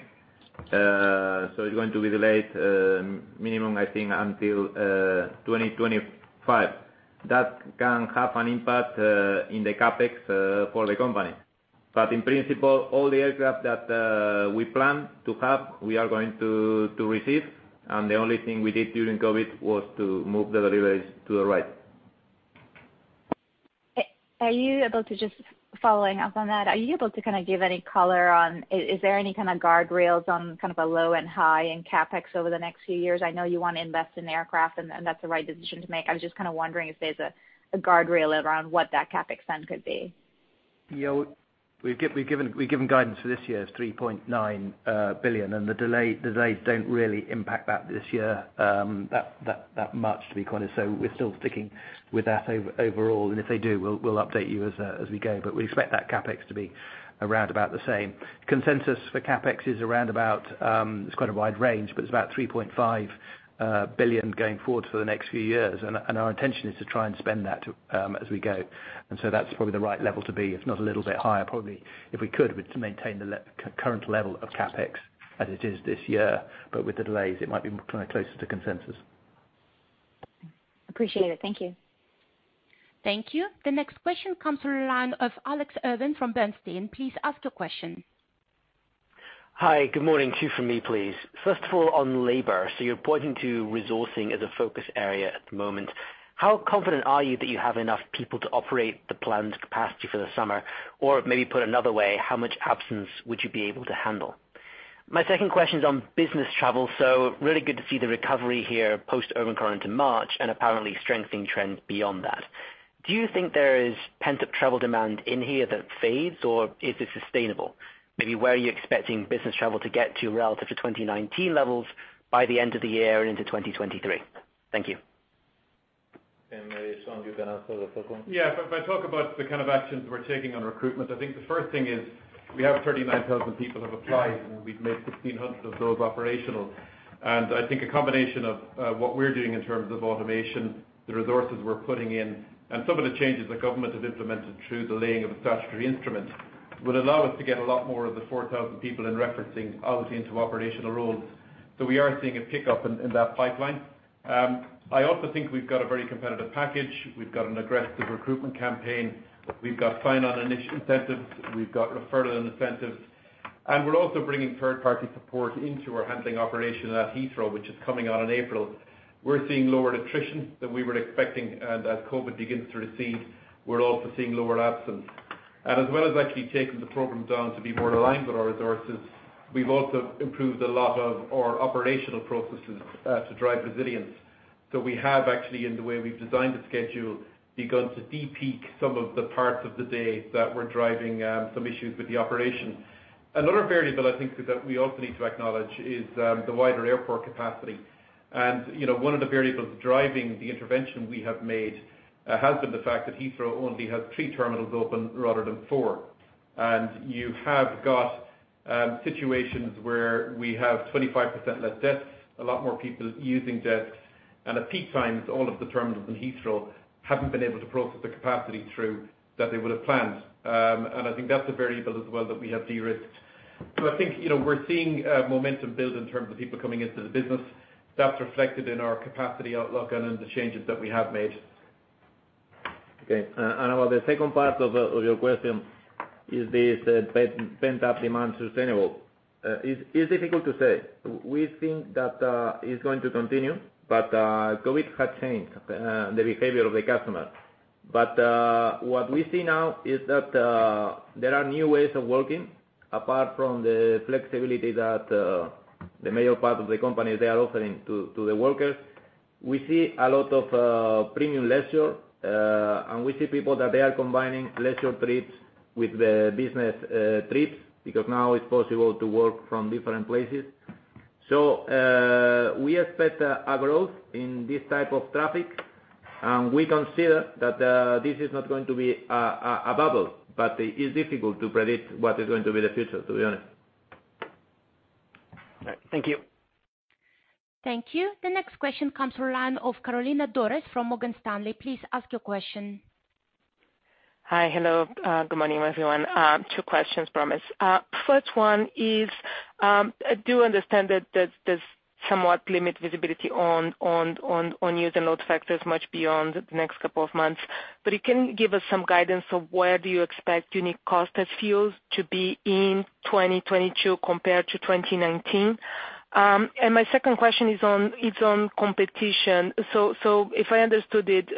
So it's going to be delayed minimum, I think, until 2025. That can have an impact in the CapEx for the company. In principle, all the aircraft that we plan to have, we are going to receive, and the only thing we did during COVID was to move the deliveries to the right. Following up on that, are you able to kind of give any color on, is there any kind of guardrails on kind of a low and high in CapEx over the next few years? I know you wanna invest in aircraft and that's the right decision to make. I was just kinda wondering if there's a guardrail around what that CapEx spend could be. Yeah. We've given guidance for this year is 3.9 billion. The delays don't really impact that this year, that much, to be quite honest. We're still sticking with that overall, and if they do, we'll update you as we go. We expect that CapEx to be around about the same. Consensus for CapEx is around about, it's quite a wide range, but it's about 3.5 billion going forward for the next few years. Our intention is to try and spend that, as we go. That's probably the right level to be, if not a little bit higher. Probably, if we could, we'd like to maintain the current level of CapEx as it is this year. With the delays, it might be kinda closer to consensus. Appreciate it. Thank you. Thank you. The next question comes from the line of Alex Irving from Bernstein. Please ask your question. Hi. Good morning. 2 from me, please. First of all, on labor, so you're pointing to resourcing as a focus area at the moment. How confident are you that you have enough people to operate the planned capacity for the summer? Or maybe put another way, how much absence would you be able to handle? My second question's on business travel, so really good to see the recovery here post-Omicron into March, and apparently strengthening trends beyond that. Do you think there is pent-up travel demand in here that fades, or is it sustainable? Maybe where are you expecting business travel to get to relative to 2019 levels by the end of the year and into 2023? Thank you. Sean, you can answer the first one. Yeah. If I talk about the kind of actions we're taking on recruitment, I think the first thing is we have 39,000 people have applied, and we've made 1,600 of those operational. I think a combination of what we're doing in terms of automation, the resources we're putting in, and some of the changes the government have implemented through the laying of statutory instruments would allow us to get a lot more of the 4,000 people in referencing obviously into operational roles. We are seeing a pickup in that pipeline. I also think we've got a very competitive package. We've got an aggressive recruitment campaign. We've got sign-on incentives. We've got referral incentives. We're also bringing third-party support into our handling operation at Heathrow, which is coming on in April. We're seeing lower attrition than we were expecting. As COVID begins to recede, we're also seeing lower absence. As well as actually taking the program down to be more aligned with our resources, we've also improved a lot of our operational processes to drive resilience. We have actually, in the way we've designed the schedule, begun to de-peak some of the parts of the day that were driving some issues with the operation. Another variable I think that we also need to acknowledge is the wider airport capacity. You know, one of the variables driving the intervention we have made has been the fact that Heathrow only has three terminals open rather than four. You have got situations where we have 25% less desks, a lot more people using desks. At peak times, all of the terminals in Heathrow haven't been able to process the capacity through that they would've planned. I think that's a variable as well that we have de-risked. I think, you know, we're seeing momentum build in terms of people coming into the business. That's reflected in our capacity outlook and in the changes that we have made. Okay. About the second part of your question, is this pent-up demand sustainable? It's difficult to say. We think that it's going to continue, but COVID has changed the behavior of the customer. What we see now is that there are new ways of working apart from the flexibility that the major part of the companies they are offering to the workers. We see a lot of premium leisure, and we see people that they are combining leisure trips with the business trips, because now it's possible to work from different places. We expect a growth in this type of traffic, and we consider that this is not going to be a bubble, but it is difficult to predict what is going to be the future, to be honest. All right. Thank you. Thank you. The next question comes from line of Carolina Dores from Morgan Stanley. Please ask your question. Hi. Hello. Good morning, everyone. Two questions, promise. First one is, I do understand that there's somewhat limited visibility on user load factors much beyond the next couple of months, but you can give us some guidance on where do you expect unit costs ex fuels to be in 2022 compared to 2019? My second question is on competition. If I understood it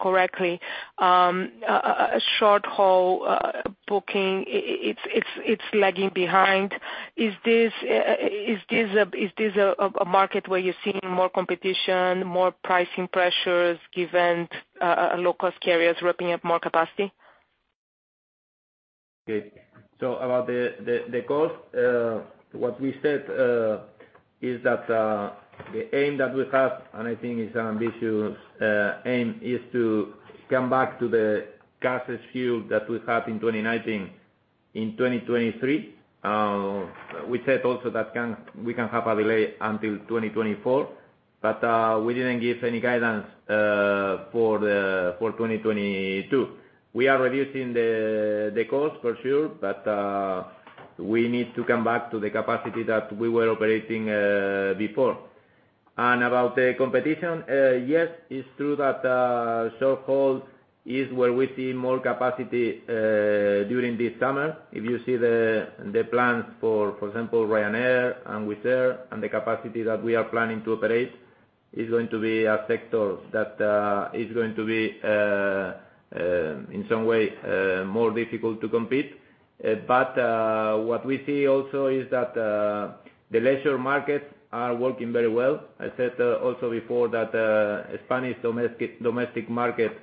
correctly, a short-haul booking it's lagging behind. Is this a market where you're seeing more competition, more pricing pressures given low-cost carriers ramping up more capacity? About the cost, what we said is that the aim that we have, and I think it's an ambitious aim, is to come back to the capacity that we had in 2019, in 2023. We said also that we can have a delay until 2024, but we didn't give any guidance for 2022. We are reducing the cost for sure, but we need to come back to the capacity that we were operating before. About the competition, yes, it's true that short-haul is where we see more capacity during this summer. If you see the plans for example, Ryanair and Wizz Air, and the capacity that we are planning to operate, is going to be a sector that is going to be in some way more difficult to compete. What we see also is that the leisure markets are working very well. I said also before that Spanish domestic market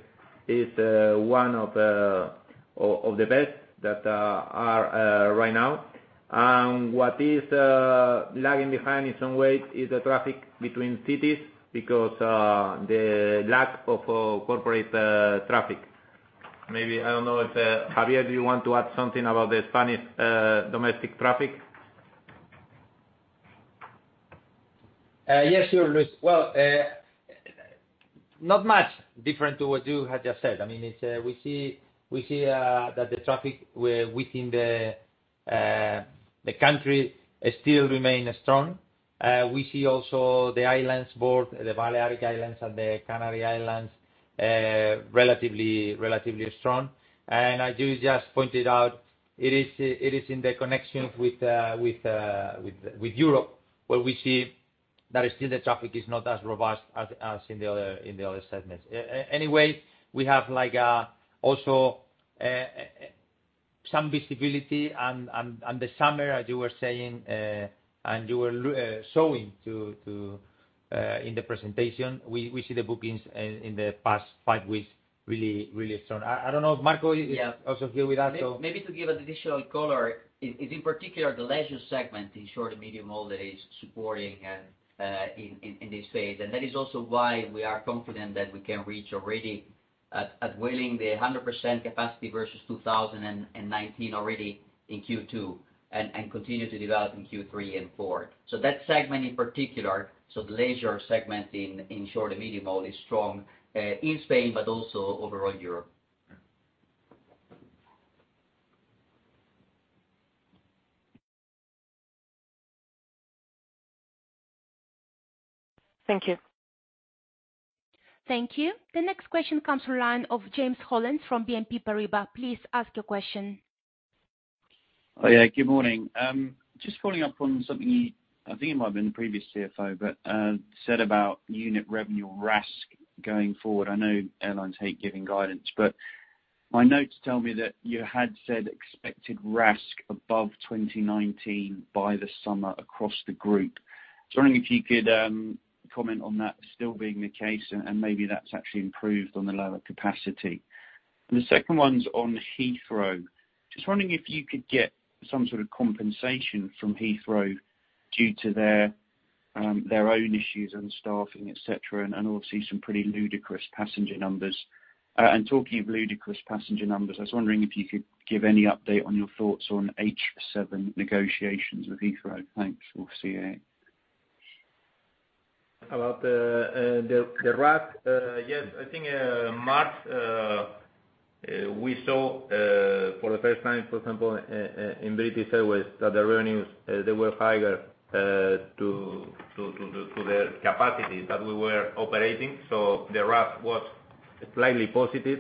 is one of the best that are right now. What is lagging behind in some ways is the traffic between cities because the lack of corporate traffic. Maybe I don't know if Javier do you want to add something about the Spanish domestic traffic? Yes, sure, Luis. Well, not much different to what you had just said. I mean, it's we see that the traffic within the country still remain strong. We see also the islands, both the Balearic Islands and the Canary Islands, relatively strong. As you just pointed out, it is in the connections with Europe, where we see that still the traffic is not as robust as in the other segments. Anyway, we have like also some visibility and the summer, as you were saying, and you were showing to in the presentation, we see the bookings in the past five weeks really strong. I don't know if Marco is also here with us, so. Maybe to give additional color is in particular the leisure segment in short and medium haul that is supporting in this phase. That is also why we are confident that we can reach already the 100% capacity versus 2019 already in Q2 and continue to develop in Q3 and Q4. That segment in particular, the leisure segment in short and medium haul is strong in Spain but also overall Europe. Thank you. Thank you. The next question comes from line of James Hollins from BNP Paribas. Please ask your question. Oh, yeah, good morning. Just following up on something, I think it might have been the previous CFO, but said about unit revenue RASK going forward. I know airlines hate giving guidance, but my notes tell me that you had said expected RASK above 2019 by the summer across the group. I'm wondering if you could comment on that still being the case and maybe that's actually improved on the lower capacity. The second one's on Heathrow. Just wondering if you could get some sort of compensation from Heathrow due to their own issues and staffing, et cetera, and obviously some pretty ludicrous passenger numbers. Talking of ludicrous passenger numbers, I was wondering if you could give any update on your thoughts on H7 negotiations with Heathrow. Thanks. We'll see you. About the RASK, yes, I think March we saw for the first time, for example, in British Airways, that the revenues they were higher than the capacity that we were operating. So the RASK was slightly positive.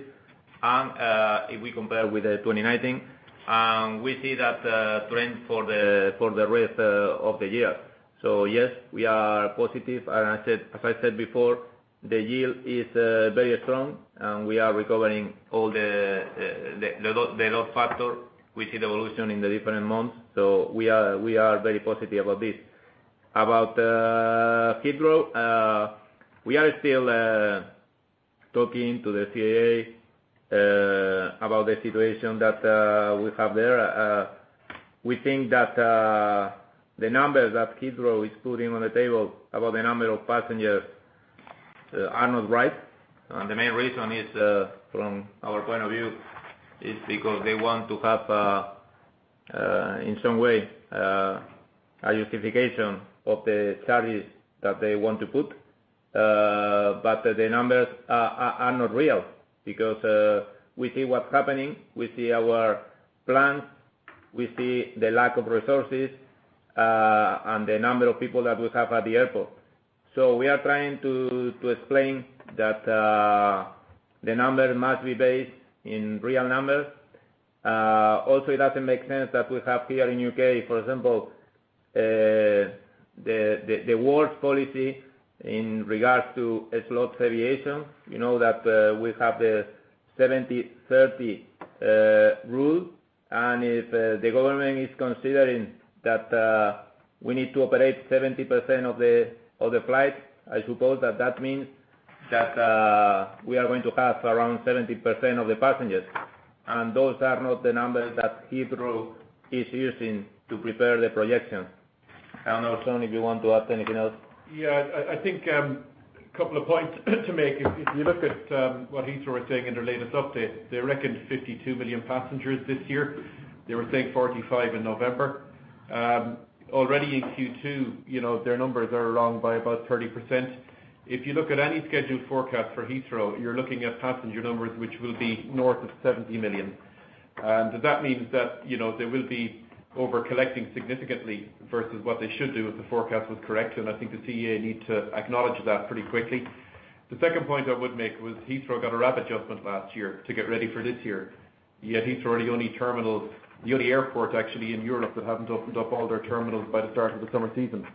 If we compare with 2019, and we see that trend for the rest of the year. Yes, we are positive. As I said before, the yield is very strong, and we are recovering all the load factor. We see the evolution in the different months. We are very positive about this. About Heathrow, we are still talking to the CAA about the situation that we have there. We think that the numbers that Heathrow is putting on the table about the number of passengers are not right. The main reason is, from our point of view, is because they want to have, in some way, a justification of the charges that they want to put. The numbers are not real because we see what's happening, we see our plans, we see the lack of resources, and the number of people that we have at the airport. We are trying to explain that the number must be based in real numbers. Also it doesn't make sense that we have here in U.K., for example, the worst policy in regards to a slot variation, you know, that we have the 70/30 rule, and if the government is considering that we need to operate 70% of the flight, I suppose that means that we are going to have around 70% of the passengers, and those are not the numbers that Heathrow is using to prepare the projection. I don't know, Sean, if you want to add anything else. Yeah. I think a couple of points to make. If you look at what Heathrow is saying in their latest update, they reckon 52 million passengers this year. They were saying 45 in November. Already in Q2, you know, their numbers are wrong by about 30%. If you look at any scheduled forecast for Heathrow, you're looking at passenger numbers, which will be north of 70 million. That means that, you know, they will be over-collecting significantly versus what they should do if the forecast was correct. I think the CAA need to acknowledge that pretty quickly. The second point I would make was Heathrow got a rapid adjustment last year to get ready for this year, yet Heathrow are the only terminal. The only airport, actually, in Europe that haven't opened up all their terminals by the start of the summer season.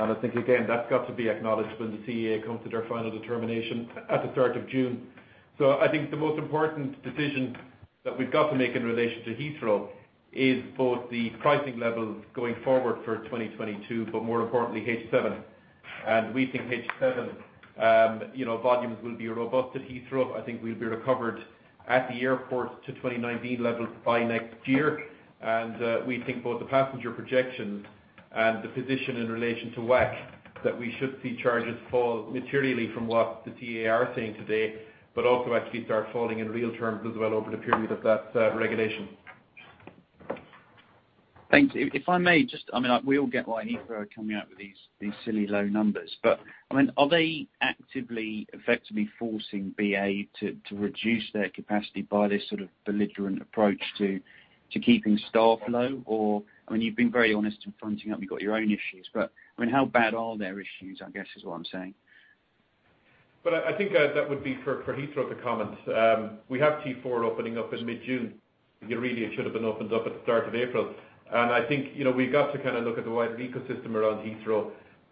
I think, again, that's got to be acknowledged when the CAA comes to their final determination at the start of June. I think the most important decision that we've got to make in relation to Heathrow is both the pricing levels going forward for 2022, but more importantly, H7. We think H7, you know, volumes will be robust at Heathrow. I think we'll be recovered at the airport to 2019 levels by next year. We think both the passenger projections and the position in relation to WACC, that we should see charges fall materially from what the CAA are saying today, but also actually start falling in real terms as well over the period of that regulation. Thanks. If I may just, I mean, we all get why Heathrow are coming out with these silly low numbers. I mean, are they actively, effectively forcing BA to reduce their capacity by this sort of belligerent approach to keeping staff low? I mean, you've been very honest in fronting up you've got your own issues, but, I mean, how bad are their issues, I guess is what I'm saying. I think that would be for Heathrow to comment. We have T4 opening up in mid-June. Really, it should have been opened up at the start of April. I think, you know, we've got to kind of look at the wider ecosystem around Heathrow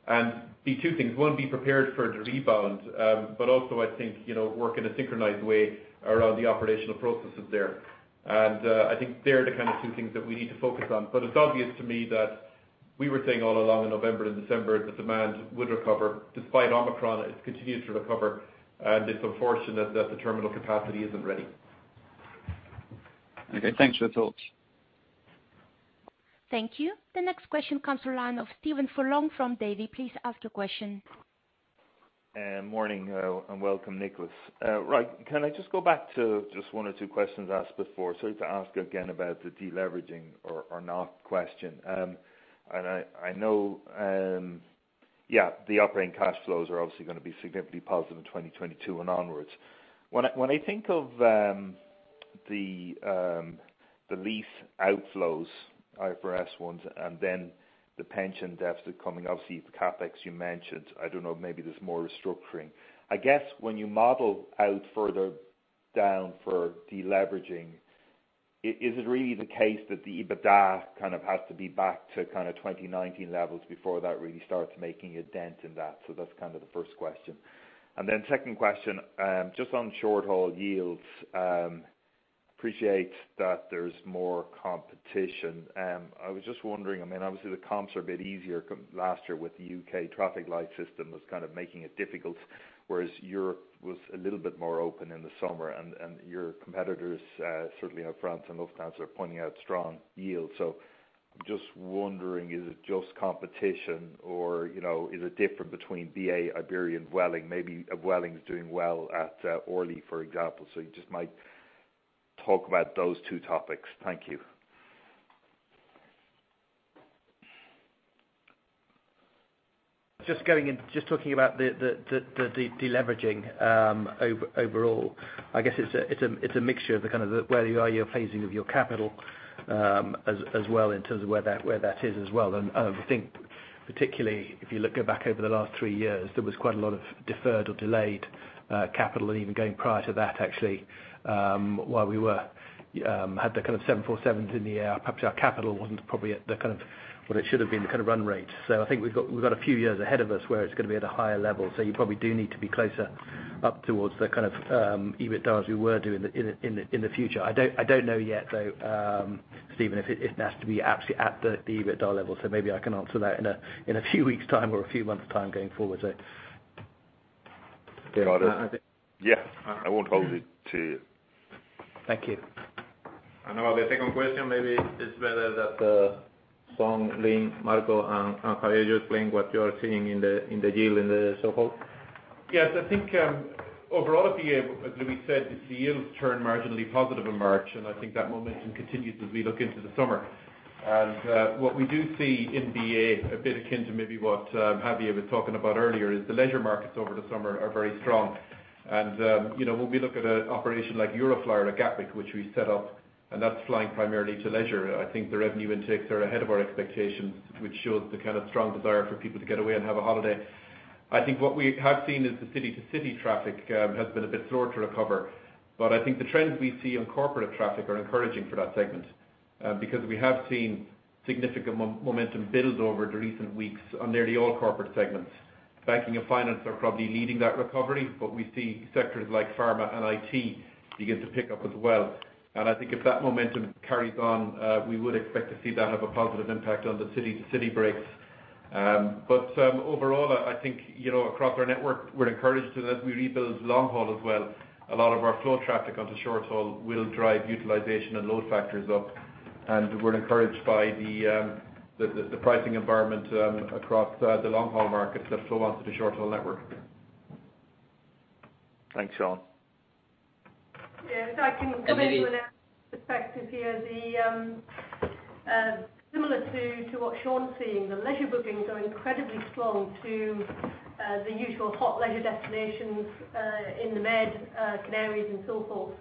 and the two things. One, be prepared for the rebound, but also I think, you know, work in a synchronized way around the operational processes there. I think they're the kind of two things that we need to focus on. It's obvious to me that we were saying all along in November and December, the demand would recover. Despite Omicron, it's continued to recover, and it's unfortunate that the terminal capacity isn't ready. Okay. Thanks for the thoughts. Thank you. The next question comes from the line of Stephen Furlong from Davy. Please ask your question. Morning, welcome, Nicholas. Right. Can I just go back to just one or two questions asked before? Sorry to ask again about the deleveraging or not question. I know, yeah, the operating cash flows are obviously gonna be significantly positive in 2022 and onwards. When I think of the lease outflows, IFRS ones, and then the pension deficit coming, obviously, the CapEx you mentioned, I don't know, maybe there's more restructuring. I guess when you model out further down for deleveraging, is it really the case that the EBITDA kind of has to be back to kind of 2019 levels before that really starts making a dent in that? So that's kind of the first question. Second question, just on short-haul yields, appreciate that there's more competition. I was just wondering, I mean, obviously the comps are a bit easier last year with the UK traffic light system was kind of making it difficult, whereas Europe was a little bit more open in the summer and your competitors, certainly Air France and Lufthansa are pointing out strong yields. I'm just wondering, is it just competition or, you know, is it different between BA, Iberia, Vueling? Maybe Vueling's doing well at Orly, for example. You just might talk about those two topics. Thank you. Just going in, just talking about the deleveraging, overall, I guess it's a mixture of the kind of where you are in your phasing of your capital, as well in terms of where that is as well. I think particularly if you go back over the last three years, there was quite a lot of deferred or delayed capital. Even going prior to that actually, while we had the kind of 747s in the air, perhaps our capital wasn't probably at the kind of what it should have been the kind of run rate. I think we've got a few years ahead of us where it's gonna be at a higher level. You probably do need to be closer up towards the kind of EBITDA, as we were doing in the future. I don't know yet though, Stephen, if it has to be absolutely at the EBITDA level, so maybe I can answer that in a few weeks' time or a few months' time going forward. Got it. Yeah. I won't hold it to you. Thank you. Now the second question maybe it's better that Sean, Lynne, Marco, and Javier explain what you're seeing in the yield in the so-called. Yes. I think overall at BA, as Luis said, the yields turned marginally positive in March, and I think that momentum continues as we look into the summer. What we do see in BA, a bit akin to maybe what Javier was talking about earlier, is the leisure markets over the summer are very strong. You know, when we look at an operation like Euroflyer or Gatwick, which we set up, and that's flying primarily to leisure, I think the revenue intakes are ahead of our expectations, which shows the kind of strong desire for people to get away and have a holiday. I think what we have seen is the city-to-city traffic has been a bit slower to recover. I think the trends we see on corporate traffic are encouraging for that segment, because we have seen significant momentum build over the recent weeks on nearly all corporate segments. Banking and finance are probably leading that recovery, but we see sectors like pharma and IT begin to pick up as well. I think if that momentum carries on, we would expect to see that have a positive impact on the city-to-city breaks. Overall, I think, you know, across our network, we're encouraged as we rebuild long haul as well. A lot of our flow traffic onto short haul will drive utilization and load factors up. We're encouraged by the pricing environment across the long-haul markets that flow onto the short-haul network. Thanks, Sean. Yeah. If I can come in with a perspective here. Similar to what Sean's seeing, the leisure bookings are incredibly strong into the usual hot leisure destinations in the Med, Canaries and so forth.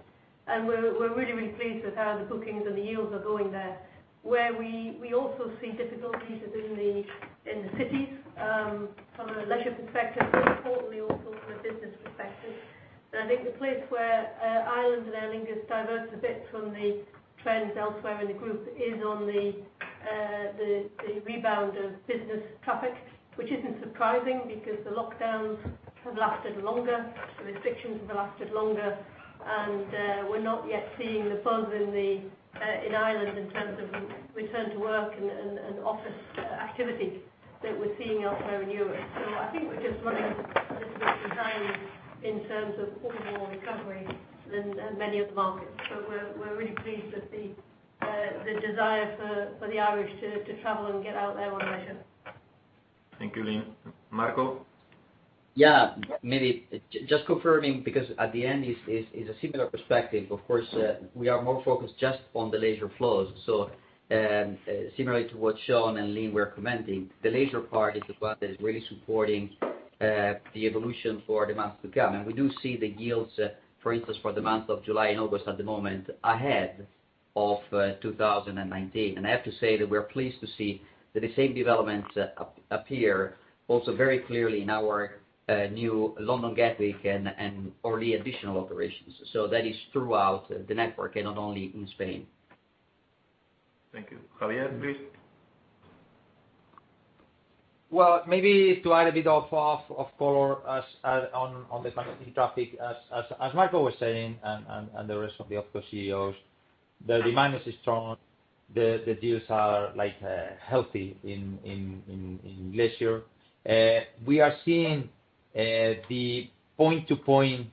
We're really pleased with how the bookings and the yields are going there. We also see difficulties in the cities from a leisure perspective, but importantly also from a business perspective. I think the place where Ireland and Aer Lingus diverge a bit from the trends elsewhere in the group is on the rebound of business traffic, which isn't surprising because the lockdowns have lasted longer, the restrictions have lasted longer, and we're not yet seeing the buzz in Ireland in terms of return to work and office activity that we're seeing elsewhere in Europe. I think we're just running a little bit behind in terms of overall recovery than many of the markets. We're really pleased with the desire for the Irish to travel and get out there on leisure. Thank you, Lynne. Marco? Yeah. Maybe just confirming, because at the end, it's a similar perspective. Of course, we are more focused just on the leisure flows. Similar to what Sean and Lynn were commenting, the leisure part is the part that is really supporting the evolution for the months to come. We do see the yields, for instance, for the month of July and August at the moment ahead of 2019. I have to say that we're pleased to see that the same developments appear also very clearly in our new London Gatwick and early additional operations. That is throughout the network and not only in Spain. Thank you. Javier, please. Well, maybe to add a bit of color on the passenger traffic, as Marco was saying, and the rest of the OpCo CEOs, the demand is strong. The deals are, like, healthy in leisure. We are seeing the point-to-point,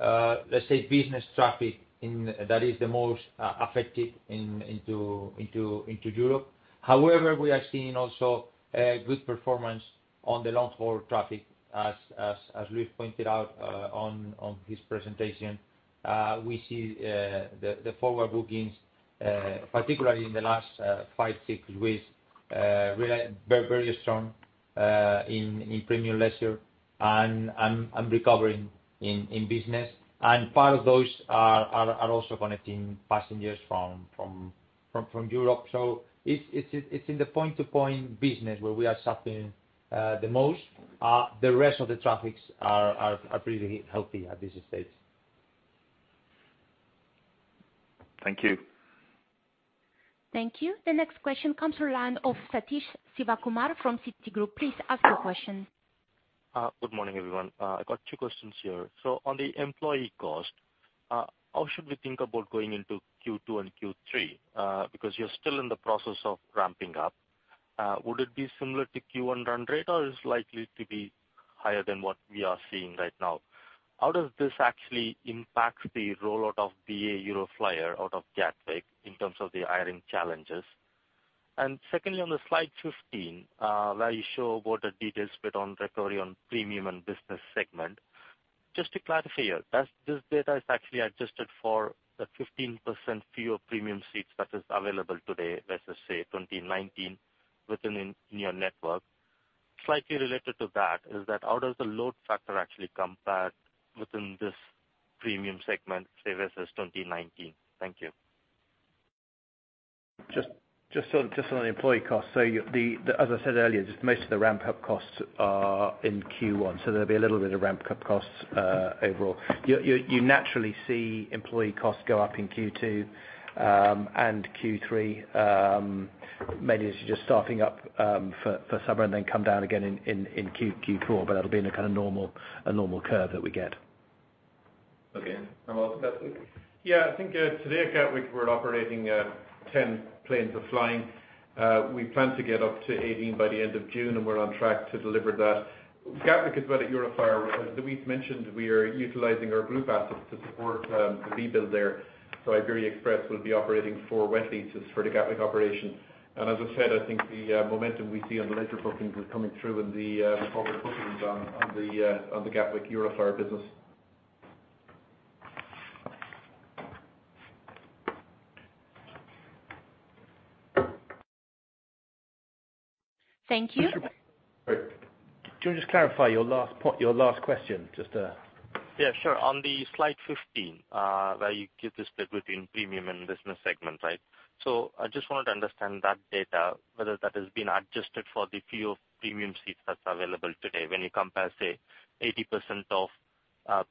let's say business traffic in that is the most affected into Europe. However, we are seeing also good performance on the long-haul traffic as Luis pointed out on his presentation. We see the forward bookings, particularly in the last five, six weeks, really very strong in premium leisure and recovering in business. Part of those are also connecting passengers from Europe. It's in the point-to-point business where we are suffering the most. The rest of the traffics are pretty healthy at this stage. Thank you. Thank you. The next question comes from the line of Sathish Sivakumar from Citigroup. Please ask your question. Good morning, everyone. I've got two questions here. On the employee cost, how should we think about going into Q2 and Q3? Because you're still in the process of ramping up. Would it be similar to Q1 run rate, or is it likely to be higher than what we are seeing right now? How does this actually impact the rollout of BA Euroflyer out of Gatwick in terms of the hiring challenges? And secondly, on the slide 15, where you show what the details bit on recovery on premium and business segment. Just to clarify here, does this data is actually adjusted for the 15% fewer premium seats that is available today, let's just say 2019 within your network? Slightly related to that, how does the load factor actually compare within this premium segment versus 2019? Thank you. Just on the employee costs. As I said earlier, just most of the ramp-up costs are in Q1, so there'll be a little bit of ramp-up costs overall. You naturally see employee costs go up in Q2 and Q3, mainly as you're just starting up for summer and then come down again in Q4. That'll be in a kinda normal curve that we get. Yeah. I think, today at Gatwick we're operating, 10 planes are flying. We plan to get up to 18 by the end of June, and we're on track to deliver that. Gatwick is about BA Euroflyer. As Luis mentioned, we are utilizing our group assets to support, the rebuild there. Iberia Express will be operating 4 wet leases for the Gatwick operation. As I said, I think the momentum we see on the leisure bookings is coming through in the forward bookings on the Gatwick BA Euroflyer business. Thank you. Great. Can you just clarify your last question, just? Yeah, sure. On the slide 15, where you give the split between premium and business segment, right? I just wanted to understand that data, whether that has been adjusted for the few premium seats that's available today, when you compare, say, 80% of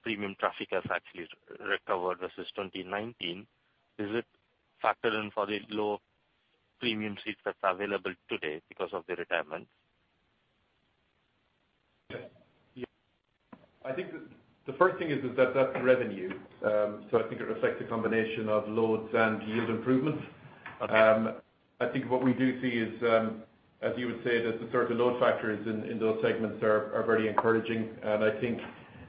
premium traffic has actually recovered versus 2019. Is it factored in for the low premium seats that's available today because of the retirement? Yeah. I think the first thing is that that's revenue. I think it reflects a combination of loads and yield improvements. I think what we do see is, as you would say, that the sort of load factors in those segments are very encouraging. I think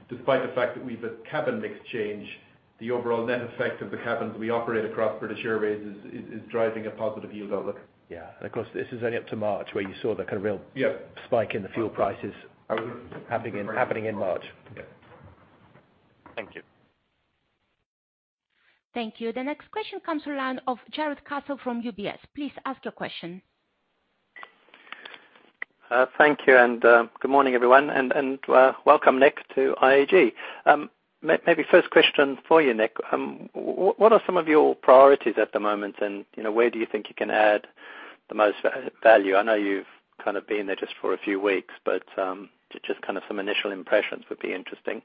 despite the fact that we've a cabin mix change, the overall net effect of the cabins we operate across British Airways is driving a positive yield outlook. Yeah. Of course, this is only up to March where you saw the kind of real- Yeah Spike in the fuel prices happening in March. Yeah. Thank you. Thank you. The next question comes from the line of Jarrod Castle from UBS. Please ask your question. Thank you, and good morning, everyone. Welcome, Nick, to IAG. Maybe first question for you, Nick. What are some of your priorities at the moment and, you know, where do you think you can add the most value? I know you've kind of been there just for a few weeks, but just kind of some initial impressions would be interesting.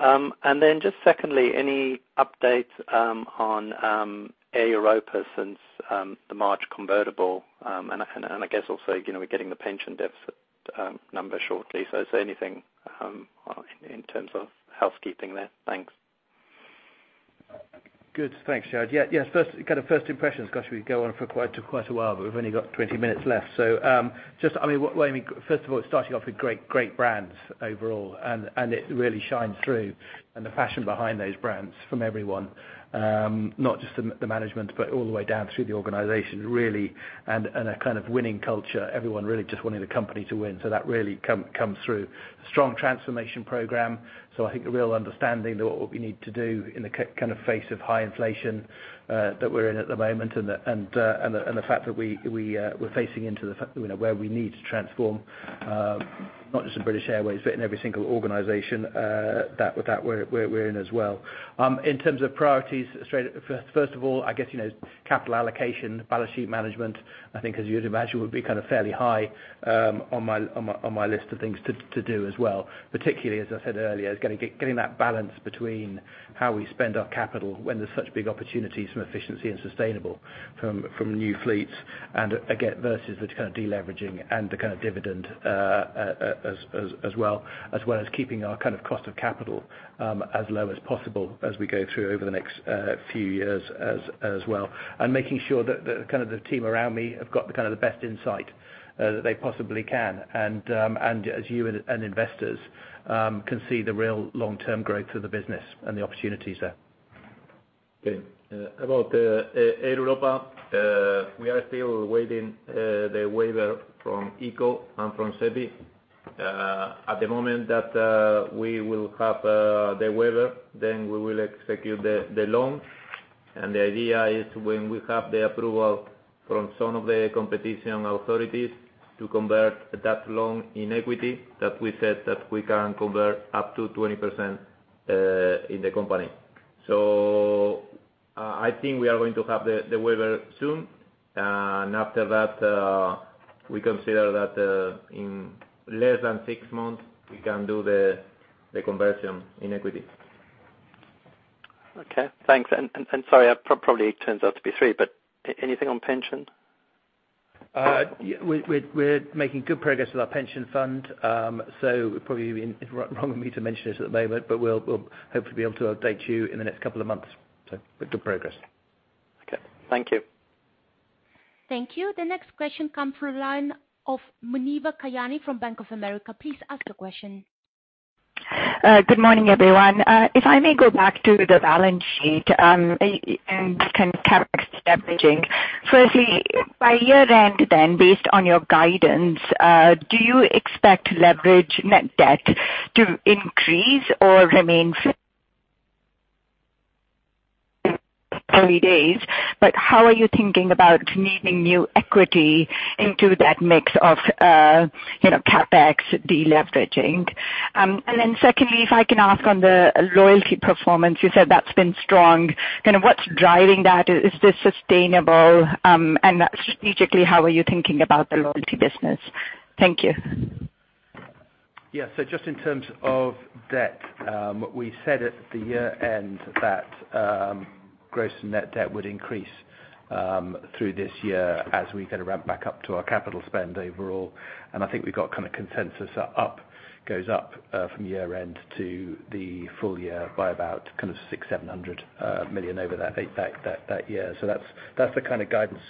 And then just secondly, any updates on Air Europa since the March convertible? And I guess also, you know, we're getting the pension deficit number shortly. So is there anything in terms of housekeeping there? Thanks. Good. Thanks, Jared. Yeah, yes. First impressions. Gosh, we go on for quite a while, but we've only got 20 minutes left. I mean, what I mean, first of all, it's starting off with great brands overall, and it really shines through, the passion behind those brands from everyone, not just the management, but all the way down through the organization, really. A kind of winning culture. Everyone really just wanting the company to win. That really comes through. Strong transformation program. I think a real understanding that what we need to do in the kind of face of high inflation that we're in at the moment and the fact that we're facing into the fact, you know, where we need to transform not just in British Airways, but in every single organization that we're in as well. In terms of priorities, first of all, I guess, you know, capital allocation, balance sheet management, I think as you'd imagine, would be kind of fairly high on my list of things to do as well. Particularly, as I said earlier, getting that balance between how we spend our capital when there's such big opportunities from efficiency and sustainability from new fleets, and again, versus the kind of deleveraging and the kind of dividend, as well as keeping our kind of cost of capital as low as possible as we go through over the next few years as well. Making sure that the kind of team around me have got the kind of best insight that they possibly can. As you and investors can see the real long-term growth of the business and the opportunities there. About Air Europa, we are still waiting for the waiver from ICO and from SEPI. At the moment that we will have the waiver, then we will execute the loan. The idea is when we have the approval from some of the competition authorities to convert that loan into equity, that we said that we can convert up to 20% in the company. I think we are going to have the waiver soon. After that, we consider that in less than six months, we can do the conversion into equity. Okay. Thanks. Sorry, it probably turns out to be three, but anything on pension? Yeah, we're making good progress with our pension fund. Probably wrong of me to mention this at the moment, but we'll hopefully be able to update you in the next couple of months. Good progress. Okay. Thank you. Thank you. The next question comes from the line of Muneeba Kayani from Bank of America. Please ask your question. Good morning, everyone. If I may go back to the balance sheet, and kind of CapEx leveraging. Firstly, by year-end then, based on your guidance, do you expect leverage net debt to increase or remain 3.0x? How are you thinking about needing new equity into that mix of, you know, CapEx deleveraging? Then secondly, if I can ask on the loyalty performance, you said that's been strong. Kind of what's driving that? Is this sustainable? And strategically, how are you thinking about the loyalty business? Thank you. Just in terms of debt, we said at the year-end that gross and net debt would increase through this year as we kind of ramp back up to our capital spend overall. I think we've got kind of consensus goes up from year-end to the full year by about 600-700 million over that year. That's the kind of guidance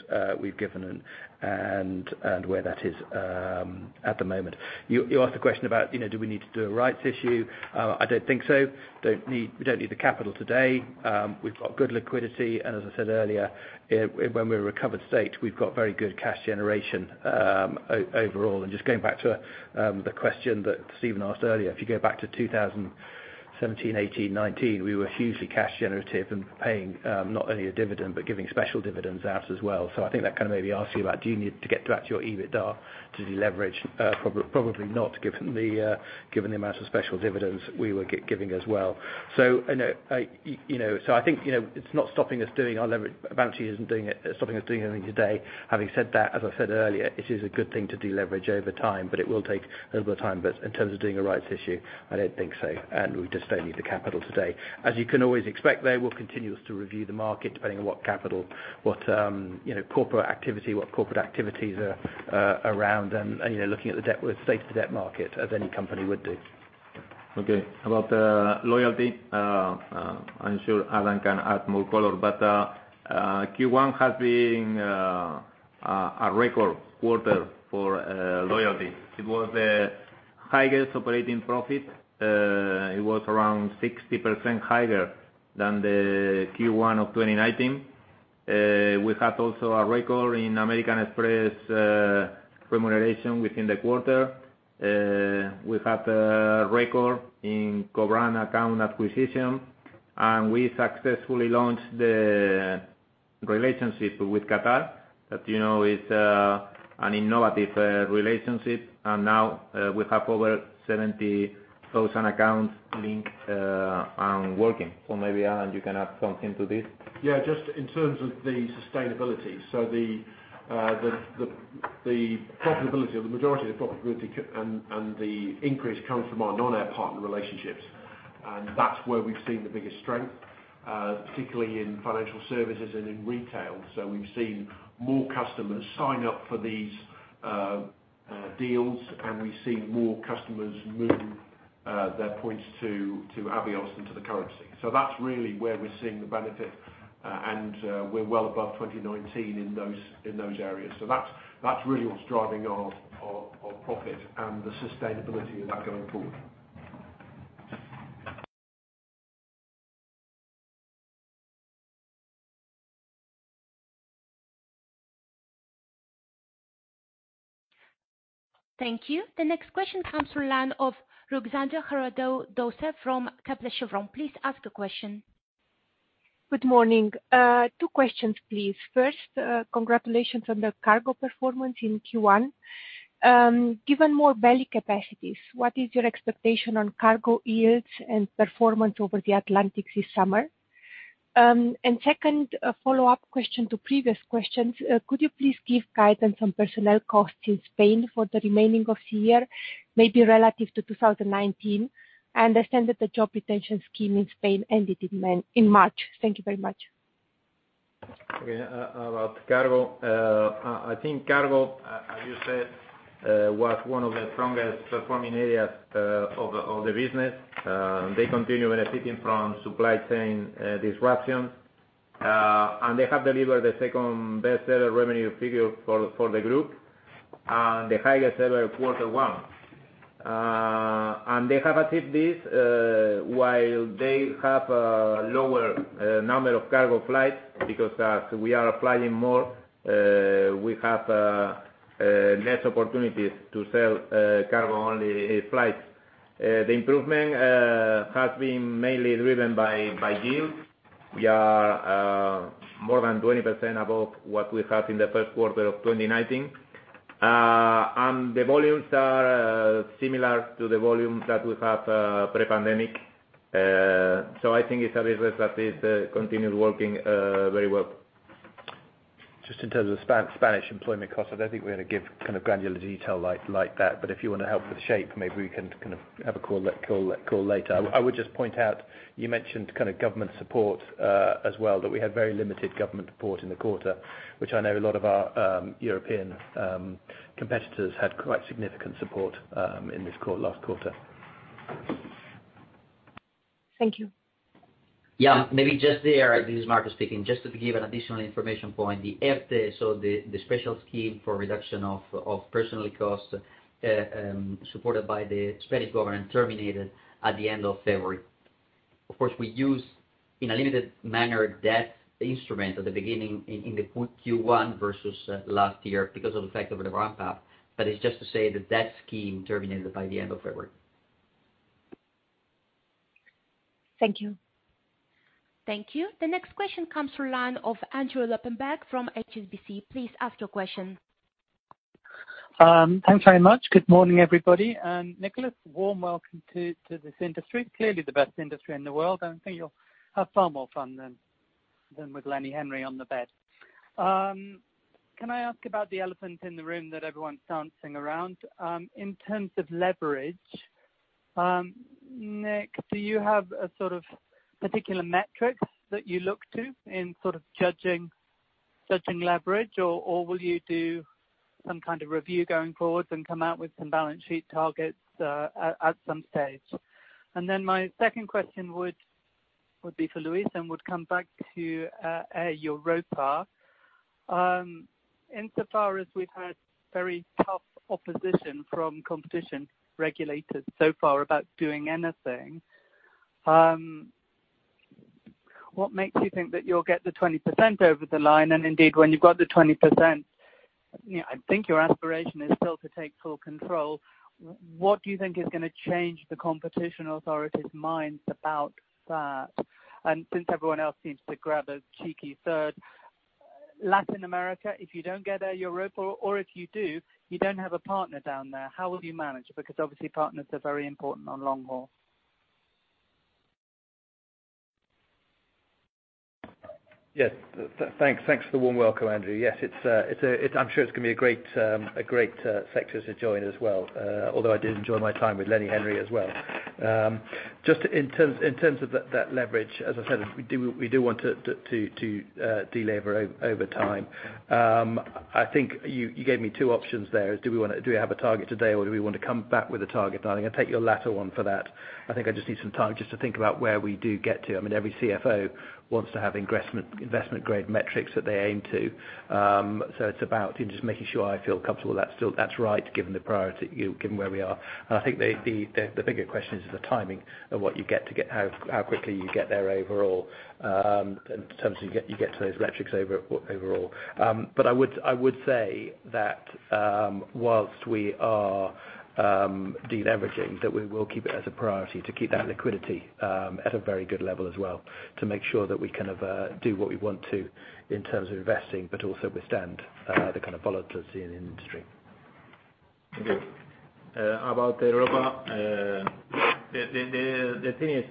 we've given and where that is at the moment. You asked a question about, you know, do we need to do a rights issue? I don't think so. We don't need the capital today. We've got good liquidity. As I said earlier, when we're in a recovered state, we've got very good cash generation overall. Just going back to the question that Stephen asked earlier, if you go back to 2017, 2018, 2019, we were hugely cash generative and paying not only a dividend, but giving special dividends out as well. I think that kind of maybe asks you about do you need to get back to your EBITDA to deleverage? Probably not given the amount of special dividends we were giving as well. You know, I think you know, it's not stopping us doing anything today. Having said that, as I said earlier, it is a good thing to deleverage over time, but it will take a little bit of time. In terms of doing a rights issue, I don't think so, and we just don't need the capital today. As you can always expect, though, we'll continue to review the market depending on what capital, you know, corporate activities are around and, you know, looking at the debt with the state of the debt market as any company would do. Okay. About loyalty, I'm sure Adam can add more color. Q1 has been a record quarter for loyalty. It was the highest operating profit. It was around 60% higher than the Q1 of 2019. We had also a record in American Express remuneration within the quarter. We had a record in co-brand account acquisition, and we successfully launched the relationship with Qatar that you know is an innovative relationship. Now we have over 70,000 accounts linked and working. Adam, you can add something to this. Yeah. Just in terms of the sustainability. The profitability or the majority of the profitability and the increase comes from our non-air partner relationships. That's where we've seen the biggest strength, particularly in financial services and in retail. We've seen more customers sign up for these deals, and we've seen more customers move their points to Avios into the currency. That's really where we're seeing the benefit. We're well above 2019 in those areas. That's really what's driving our profit and the sustainability of that going forward. Thank you. The next question comes from the line of Ruxandra Haradau-Doser from Kepler Cheuvreux. Please ask the question. Good morning. Two questions, please. First, congratulations on the cargo performance in Q1. Given more belly capacities, what is your expectation on cargo yields and performance over the Atlantic this summer? And second, a follow-up question to previous questions. Could you please give guidance on personnel costs in Spain for the remaining of the year, maybe relative to 2019? I understand that the job retention scheme in Spain ended in March. Thank you very much. About cargo. I think cargo, as you said, was one of the strongest performing areas of the business. They continue benefiting from supply chain disruptions. They have delivered the second best ever revenue figure for the group and the highest ever quarter one. They have achieved this while they have a lower number of cargo flights, because as we are flying more, we have less opportunities to sell cargo-only flights. The improvement has been mainly driven by yield. We are more than 20% above what we had in the first quarter of 2019. The volumes are similar to the volumes that we had pre-pandemic. I think it's a business that is continued working very well. Just in terms of Spanish employment costs, I don't think we're gonna give kind of granular detail like that. But if you wanna help with that, maybe we can kind of have a call later. I would just point out you mentioned kind of government support as well, that we had very limited government support in the quarter, which I know a lot of our European competitors had quite significant support in last quarter. Thank you. Yeah. Maybe just there, this is Marco speaking, just to give an additional information point. The ERTE, so the special scheme for reduction of personnel costs, supported by the Spanish government, terminated at the end of February. Of course, we used, in a limited manner, that instrument at the beginning in the Q1 versus last year because of the effect of the ramp up. It's just to say that scheme terminated by the end of February. Thank you. Thank you. The next question comes from the line of Andrew Lobbenberg from HSBC. Please ask your question. Thanks very much. Good morning, everybody. Nicholas, warm welcome to this industry. Clearly the best industry in the world. I think you'll have far more fun than with Lenny Henry on Premier Inn. Can I ask about the elephant in the room that everyone's dancing around? In terms of leverage, Nick, do you have a sort of particular metric that you look to in sort of judging leverage? Or will you do some kind of review going forward and come out with some balance sheet targets at some stage? Then my second question would be for Luis and would come back to Air Europa. So far as we've had very tough opposition from competition regulators so far about doing anything, what makes you think that you'll get the 20% over the line? Indeed, when you've got the 20%, you know, I think your aspiration is still to take full control. What do you think is gonna change the competition authorities' minds about that? Since everyone else seems to grab a cheeky third, Latin America, if you don't get Air Europa or if you do, you don't have a partner down there, how will you manage? Because obviously partners are very important on long haul. Yes. Thanks for the warm welcome, Andrew. Yes. I'm sure it's gonna be a great sector to join as well. Although I did enjoy my time with Lenny Henry as well. Just in terms of that leverage, as I said, we do want to delever over time. I think you gave me two options there. Do we have a target today, or do we want to come back with a target? I think I take your latter one for that. I think I just need some time just to think about where we do get to. I mean, every CFO wants to have investment-grade metrics that they aim to. It's about just making sure I feel comfortable that's still right, given the priority, given where we are. I think the bigger question is the timing of what you get, how quickly you get there overall, in terms of you get to those metrics overall. I would say that, whilst we are de-leveraging, that we will keep it as a priority to keep that liquidity at a very good level as well, to make sure that we can do what we want to in terms of investing, but also withstand the kind of volatility in the industry. About Air Europa, the thing is,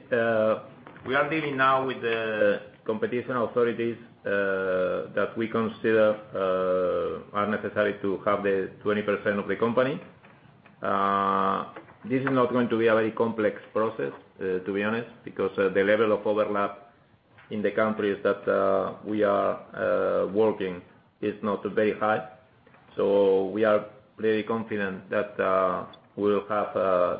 we are dealing now with the competition authorities that we consider are necessary to have the 20% of the company. This is not going to be a very complex process, to be honest, because the level of overlap in the countries that we are working is not very high. We are very confident that we'll have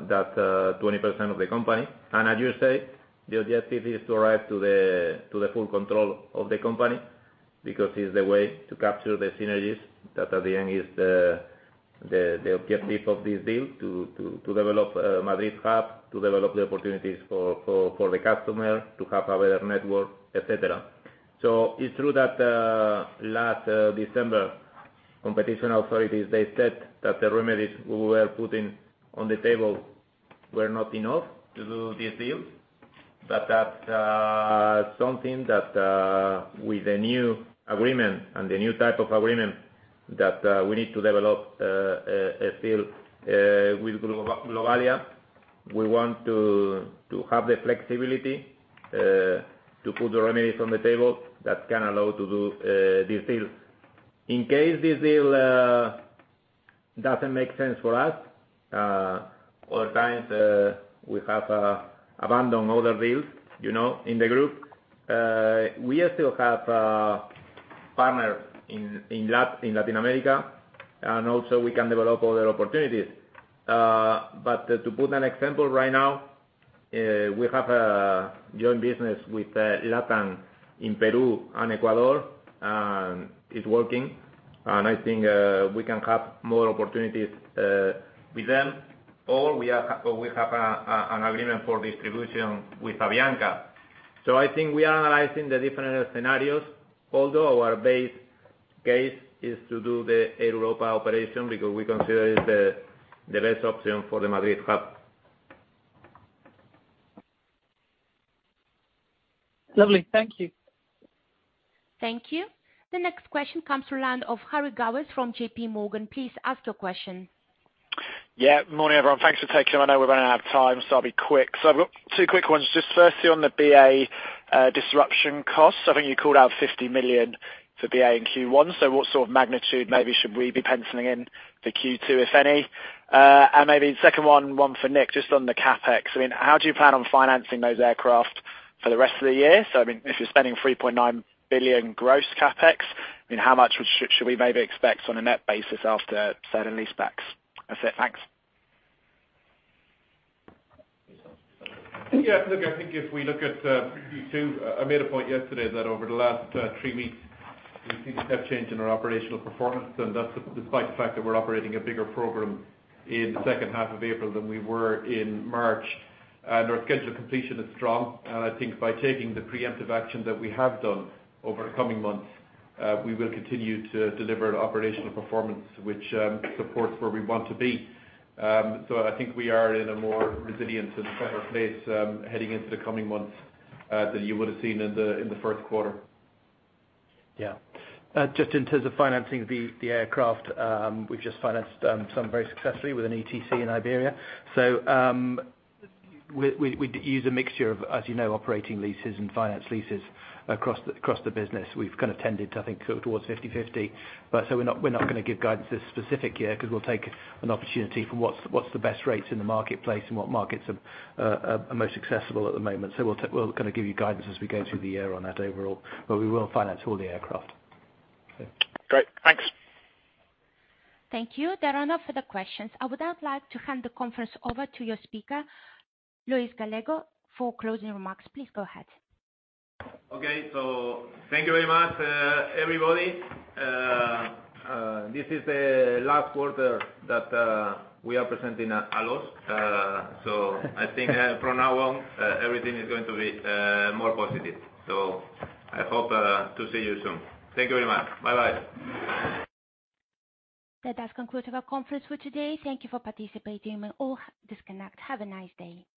that 20% of the company. As you say, the objective is to arrive to the full control of the company because it's the way to capture the synergies that at the end is the objective of this deal. To develop Madrid hub, to develop the opportunities for the customer to have a better network, et cetera. It's true that last December, competition authorities said that the remedies we were putting on the table were not enough to do this deal. That's something that, with the new agreement and the new type of agreement that we need to develop, still with Globalia. We want to have the flexibility to put the remedies on the table that can allow to do this deal. In case this deal doesn't make sense for us, other times we have abandoned other deals, you know, in the group. We still have a partner in Latin America, and also we can develop other opportunities. To put an example, right now, we have a joint business with LATAM in Peru and Ecuador, and it's working, and I think we can have more opportunities with them, or we have an agreement for distribution with Avianca. I think we are analyzing the different scenarios, although our base case is to do the Air Europa operation because we consider it the best option for the Madrid hub. Lovely. Thank you. Thank you. The next question comes from the line of Harry Gowers from J.P. Morgan. Please ask your question. Morning, everyone. Thanks for taking. I know we're running out of time, so I'll be quick. I've got two quick ones. Just firstly, on the BA disruption costs. I think you called out 50 million for BA in Q1. What sort of magnitude maybe should we be penciling in for Q2, if any? Maybe second one for Nick, just on the CapEx. I mean, how do you plan on financing those aircraft for the rest of the year? I mean, if you're spending 3.9 billion gross CapEx, how much should we maybe expect on a net basis after sale and leasebacks? That's it. Thanks. Yeah. Look, I think if we look at Q2, I made a point yesterday that over the last three weeks we've seen a step change in our operational performance, and that's despite the fact that we're operating a bigger program in the second half of April than we were in March. Our schedule completion is strong. I think by taking the preemptive action that we have done over the coming months, we will continue to deliver an operational performance which supports where we want to be. I think we are in a more resilient and better place heading into the coming months than you would have seen in the first quarter. Yeah. Just in terms of financing the aircraft, we've just financed some very successfully with an EETC in Iberia. We use a mixture of, as you know, operating leases and finance leases across the business. We've kind of tended to, I think, sort of towards 50/50. We're not gonna give guidance this specific year because we'll take an opportunity for what's the best rates in the marketplace and what markets are most accessible at the moment. We'll kind of give you guidance as we go through the year on that overall, but we will finance all the aircraft. Great. Thanks. Thank you. There are no further questions. I would now like to hand the conference over to your speaker, Luis Gallego, for closing remarks. Please go ahead. Okay. Thank you very much, everybody. This is the last quarter that we are presenting a loss. I think from now on everything is going to be more positive. I hope to see you soon. Thank you very much. Bye-bye. That does conclude our conference for today. Thank you for participating. You may all disconnect. Have a nice day.